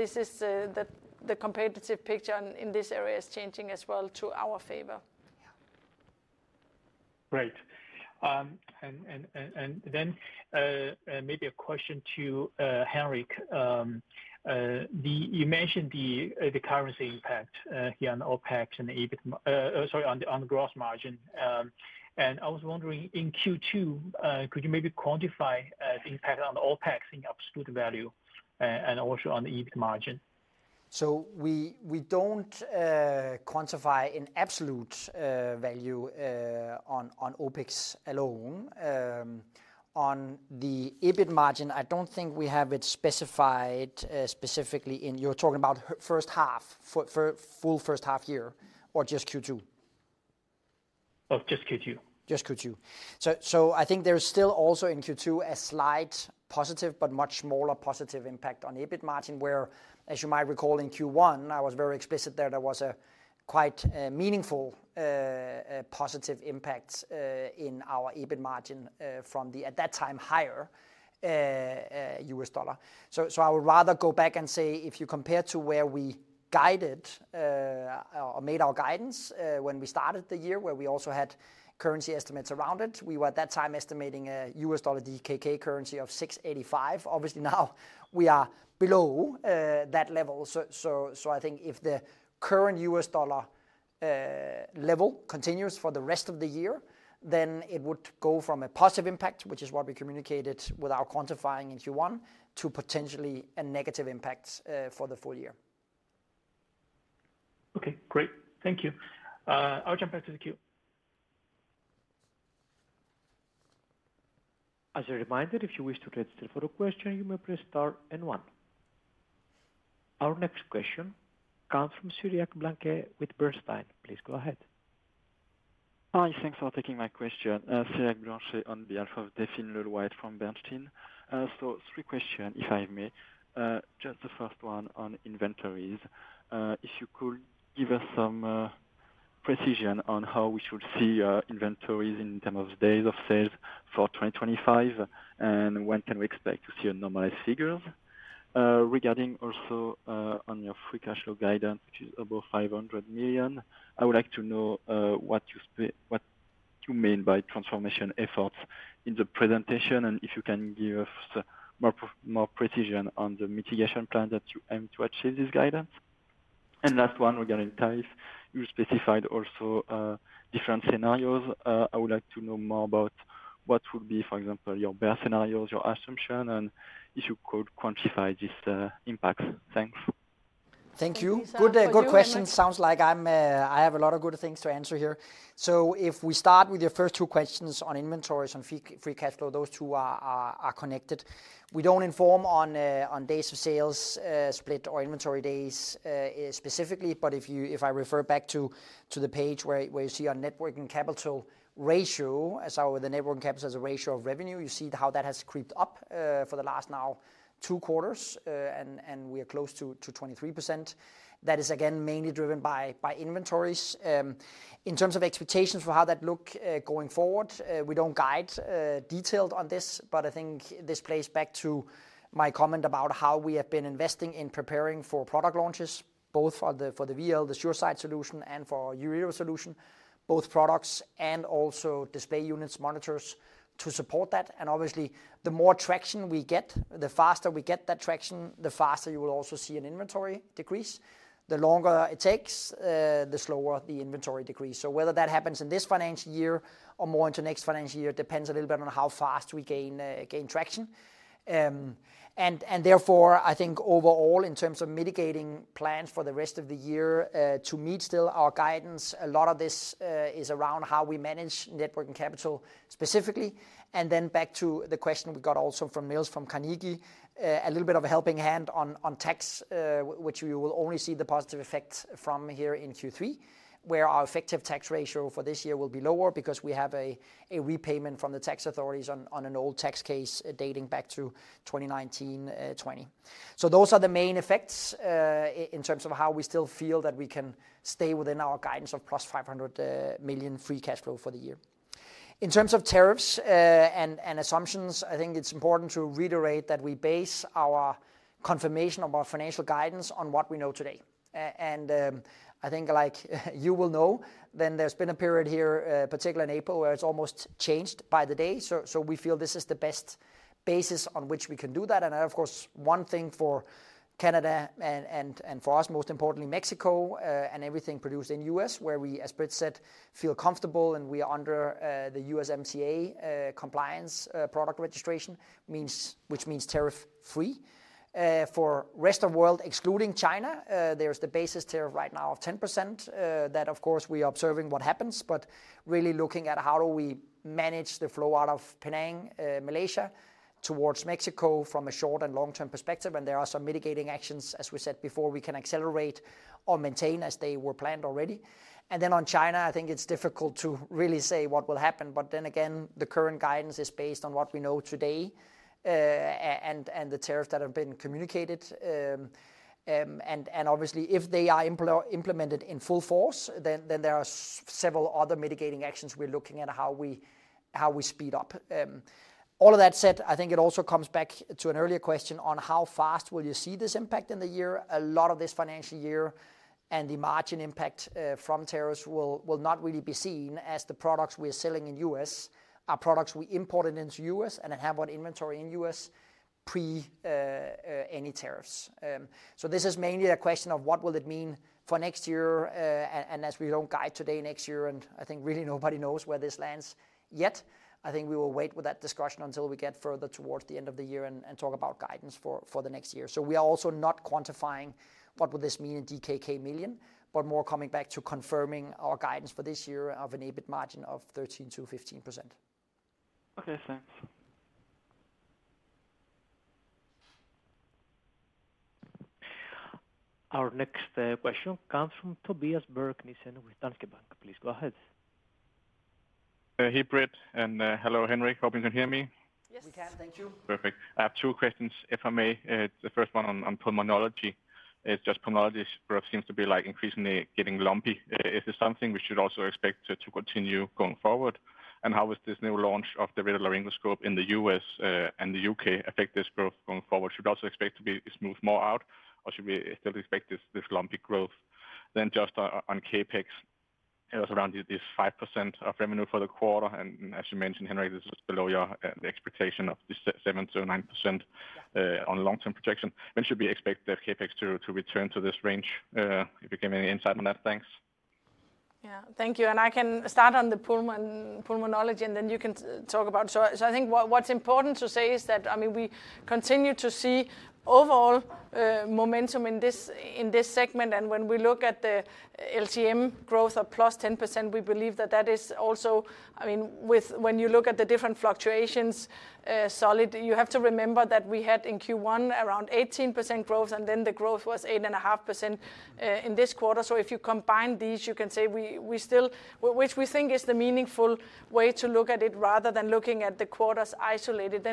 the competitive picture in this area is changing as well to our favor. Yeah. Great. Maybe a question to Henrik. You mentioned the currency impact here on OpEx and EBIT, sorry, on the gross margin. I was wondering in Q2, could you maybe quantify the impact on OpEx in absolute value and also on the EBIT margin? We do not quantify in absolute value on OpEx alone. On the EBIT margin, I do not think we have it specified specifically. Are you talking about the full first half year or just Q2? Oh, just Q2. Just Q2. I think there's still also in Q2 a slight positive, but much smaller positive impact on EBIT margin where, as you might recall in Q1, I was very explicit there was a quite meaningful positive impact in our EBIT margin from the at that time higher U.S. dollar. I would rather go back and say if you compare to where we guided or made our guidance when we started the year where we also had currency estimates around it, we were at that time estimating a U.S. dollar/DKK currency of 6.85. Obviously, now we are below that level. I think if the current U.S. dollar level continues for the rest of the year, then it would go from a positive impact, which is what we communicated without quantifying in Q1, to potentially a negative impact for the full year. Okay. Great. Thank you. I'll jump back to the queue. As a reminder, if you wish to register for a question, you may press star and one. Our next question comes from Cyriaque Blanchet with Bernstein. Please go ahead. Hi. Thanks for taking my question. Cyriaque Blanchet on behalf of Delphine Le Louët from Bernstein. Three questions, if I may. Just the first one on inventories. If you could give us some precision on how we should see inventories in terms of days of sales for 2025 and when can we expect to see normalized figures. Regarding also your free cash flow guidance, which is above 500 million, I would like to know what you mean by transformation efforts in the presentation and if you can give us more precision on the mitigation plan that you aim to achieve this guidance. Last one regarding tariffs, you specified also different scenarios. I would like to know more about what would be, for example, your best scenarios, your assumption, and if you could quantify these impacts. Thanks. Thank you. Good question. Sounds like I have a lot of good things to answer here. If we start with your first two questions on inventories, on free cash flow, those two are connected. We do not inform on days of sales split or inventory days specifically, but if I refer back to the page where you see our networking capital ratio, as our networking capital is a ratio of revenue, you see how that has creeped up for the last now two quarters and we are close to 23%. That is again mainly driven by inventories. In terms of expectations for how that looks going forward, we do not guide detailed on this, but I think this plays back to my comment about how we have been investing in preparing for product launches, both for the VL, the SureSight solution, and for ureter solution, both products and also display units, monitors to support that. Obviously, the more traction we get, the faster we get that traction, the faster you will also see an inventory decrease. The longer it takes, the slower the inventory decrease. Whether that happens in this financial year or more into next financial year depends a little bit on how fast we gain traction. Therefore, I think overall in terms of mitigating plans for the rest of the year to meet still our guidance, a lot of this is around how we manage networking capital specifically. Back to the question we got also from Niels from Carnegie, a little bit of a helping hand on tax, which you will only see the positive effects from here in Q3, where our effective tax ratio for this year will be lower because we have a repayment from the tax authorities on an old tax case dating back to 2019-2020. Those are the main effects in terms of how we still feel that we can stay within our guidance of +500 million free cash flow for the year. In terms of tariffs and assumptions, I think it's important to reiterate that we base our confirmation of our financial guidance on what we know today. I think like you will know, there's been a period here, particularly in April, where it's almost changed by the day. We feel this is the best basis on which we can do that. Of course, one thing for Canada and for us, most importantly, Mexico and everything produced in the U.S., where we, as Britt said, feel comfortable and we are under the USMCA compliance product registration, which means tariff-free. For the rest of the world, excluding China, there is the basis tariff right now of 10% that, of course, we are observing what happens, but really looking at how do we manage the flow out of Penang, Malaysia, towards Mexico from a short and long-term perspective. There are some mitigating actions, as we said before, we can accelerate or maintain as they were planned already. On China, I think it's difficult to really say what will happen, but the current guidance is based on what we know today and the tariffs that have been communicated. Obviously, if they are implemented in full force, there are several other mitigating actions we are looking at how we speed up. All of that said, I think it also comes back to an earlier question on how fast you will see this impact in the year. A lot of this financial year and the margin impact from tariffs will not really be seen as the products we are selling in the U.S. are products we imported into the U.S. and have in inventory in the U.S. pre-any tariffs. This is mainly a question of what it will mean for next year. As we do not guide today, next year, and I think really nobody knows where this lands yet. I think we will wait with that discussion until we get further towards the end of the year and talk about guidance for the next year. We are also not quantifying what this would mean in DKK million, but more coming back to confirming our guidance for this year of an EBIT margin of 13%-15%. Okay. Thanks. Our next question comes from Tobias Berg Nissen with Danske Bank. Please go ahead. Hey, Britt. Hello, Henrik. Hope you can hear me. Yes. We can. Thank you. Perfect. I have two questions, if I may. The first one on pulmonology. Pulmonology growth seems to be increasingly getting lumpy. Is this something we should also expect to continue going forward? How is this new launch of the radar ureteroscope in the U.S. and the U.K. affect this growth going forward? Should we also expect it to be smoothed more out, or should we still expect this lumpy growth? Just on CapEx, it was around this 5% of revenue for the quarter. As you mentioned, Henrik, this was below the expectation of this 7%-9% on long-term projection. When should we expect the CapEx to return to this range? If you give me any insight on that, thanks. Yeah. Thank you. I can start on the pulmonology, and then you can talk about it. I think what's important to say is that, I mean, we continue to see overall momentum in this segment. When we look at the LTM growth of +10%, we believe that that is also, I mean, when you look at the different fluctuations, solid. You have to remember that we had in Q1 around 18% growth, and then the growth was 8.5% in this quarter. If you combine these, you can say we still, which we think is the meaningful way to look at it rather than looking at the quarters isolated.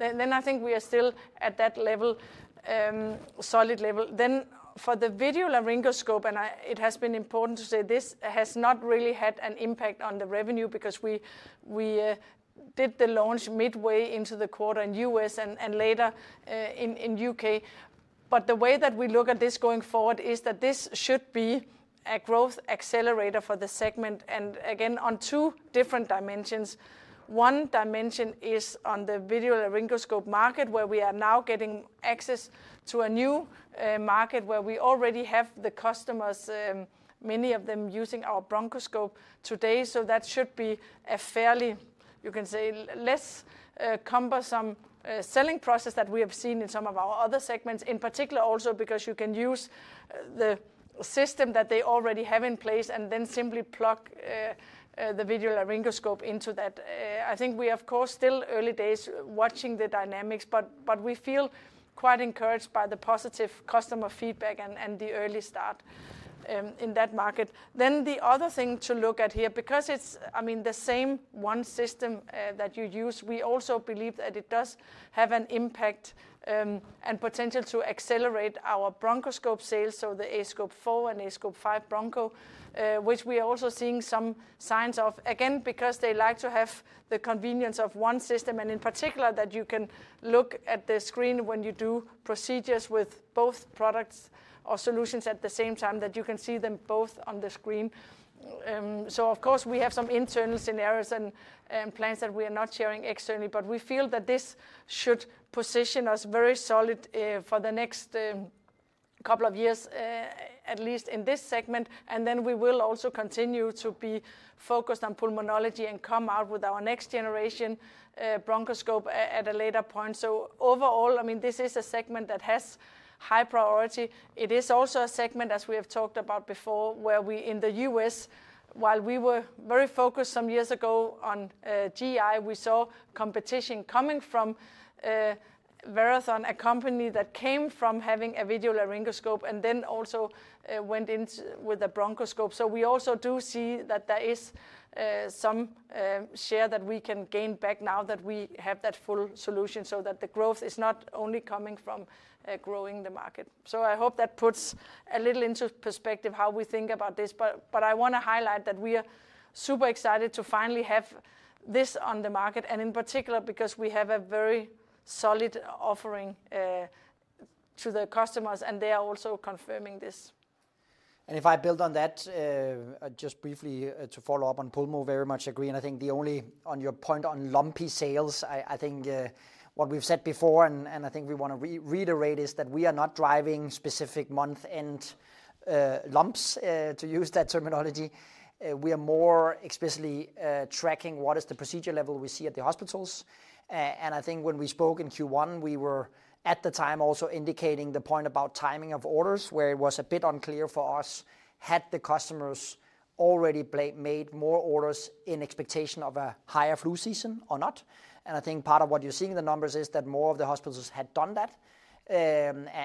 I think we are still at that level, solid level. For the video laryngoscope, it has been important to say this has not really had an impact on the revenue because we did the launch midway into the quarter in the U.S. and later in the U.K. The way that we look at this going forward is that this should be a growth accelerator for the segment. Again, on two different dimensions. One dimension is on the video laryngoscope market, where we are now getting access to a new market where we already have the customers, many of them using our bronchoscope today. That should be a fairly, you can say, less cumbersome selling process than we have seen in some of our other segments, in particular also because you can use the system that they already have in place and then simply plug the video laryngoscope into that. I think we are, of course, still early days watching the dynamics, but we feel quite encouraged by the positive customer feedback and the early start in that market. The other thing to look at here, because it is, I mean, the same one system that you use, we also believe that it does have an impact and potential to accelerate our bronchoscope sales. The aScope 4 and aScope 5 Broncho, which we are also seeing some signs of, again, because they like to have the convenience of one system. In particular, that you can look at the screen when you do procedures with both products or solutions at the same time, that you can see them both on the screen. Of course, we have some internal scenarios and plans that we are not sharing externally, but we feel that this should position us very solid for the next couple of years, at least in this segment. We will also continue to be focused on pulmonology and come out with our next generation bronchoscope at a later point. Overall, I mean, this is a segment that has high priority. It is also a segment, as we have talked about before, where we in the U.S., while we were very focused some years ago on GI, we saw competition coming from Verathon, a company that came from having a video laryngoscope and then also went in with a bronchoscope. We also do see that there is some share that we can gain back now that we have that full solution so that the growth is not only coming from growing the market. I hope that puts a little into perspective how we think about this. I want to highlight that we are super excited to finally have this on the market, and in particular because we have a very solid offering to the customers, and they are also confirming this. If I build on that, just briefly to follow up on pulmo, very much agree. I think the only, on your point on lumpy sales, I think what we've said before, and I think we want to reiterate, is that we are not driving specific month-end lumps, to use that terminology. We are more explicitly tracking what is the procedure level we see at the hospitals. I think when we spoke in Q1, we were at the time also indicating the point about timing of orders, where it was a bit unclear for us, had the customers already made more orders in expectation of a higher flu season or not. I think part of what you're seeing in the numbers is that more of the hospitals had done that.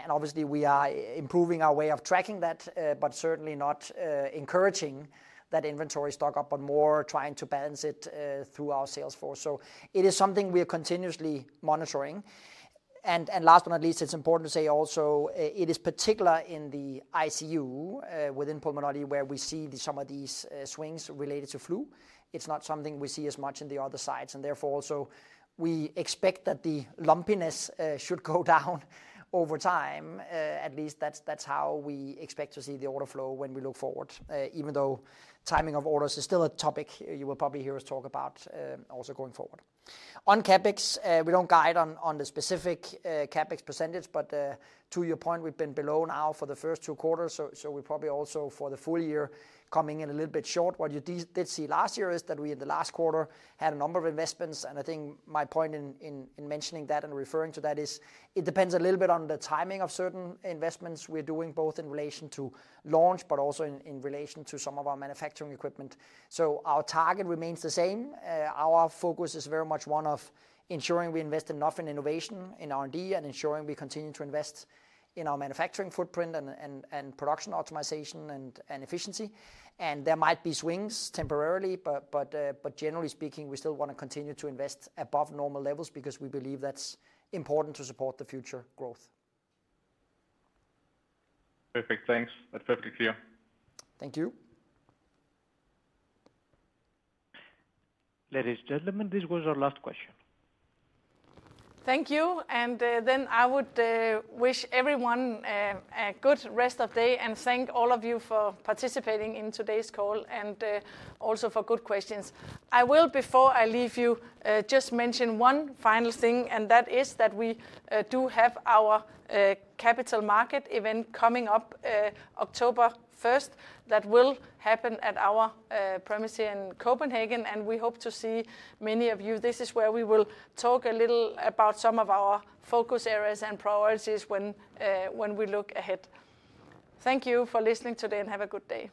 Obviously, we are improving our way of tracking that, but certainly not encouraging that inventory stock up, but more trying to balance it through our sales force. It is something we are continuously monitoring. Last but not least, it's important to say also it is particular in the ICU within pulmonology, where we see some of these swings related to flu. It's not something we see as much in the other sides. Therefore, also we expect that the lumpiness should go down over time. At least that's how we expect to see the order flow when we look forward, even though timing of orders is still a topic you will probably hear us talk about also going forward. On CapEx, we don't guide on the specific CapEx percentage, but to your point, we've been below now for the first two quarters. We probably also for the full year coming in a little bit short. What you did see last year is that we in the last quarter had a number of investments. I think my point in mentioning that and referring to that is it depends a little bit on the timing of certain investments we're doing, both in relation to launch, but also in relation to some of our manufacturing equipment. Our target remains the same. Our focus is very much one of ensuring we invest enough in innovation in R&D and ensuring we continue to invest in our manufacturing footprint and production optimization and efficiency. There might be swings temporarily, but generally speaking, we still want to continue to invest above normal levels because we believe that's important to support the future growth. Perfect. Thanks. That's perfectly clear. Thank you. Ladies and gentlemen, this was our last question. Thank you. I would wish everyone a good rest of day and thank all of you for participating in today's call and also for good questions. I will, before I leave you, just mention one final thing, and that is that we do have our capital market event coming up October 1st that will happen at our premise here in Copenhagen. We hope to see many of you. This is where we will talk a little about some of our focus areas and priorities when we look ahead. Thank you for listening today and have a good day.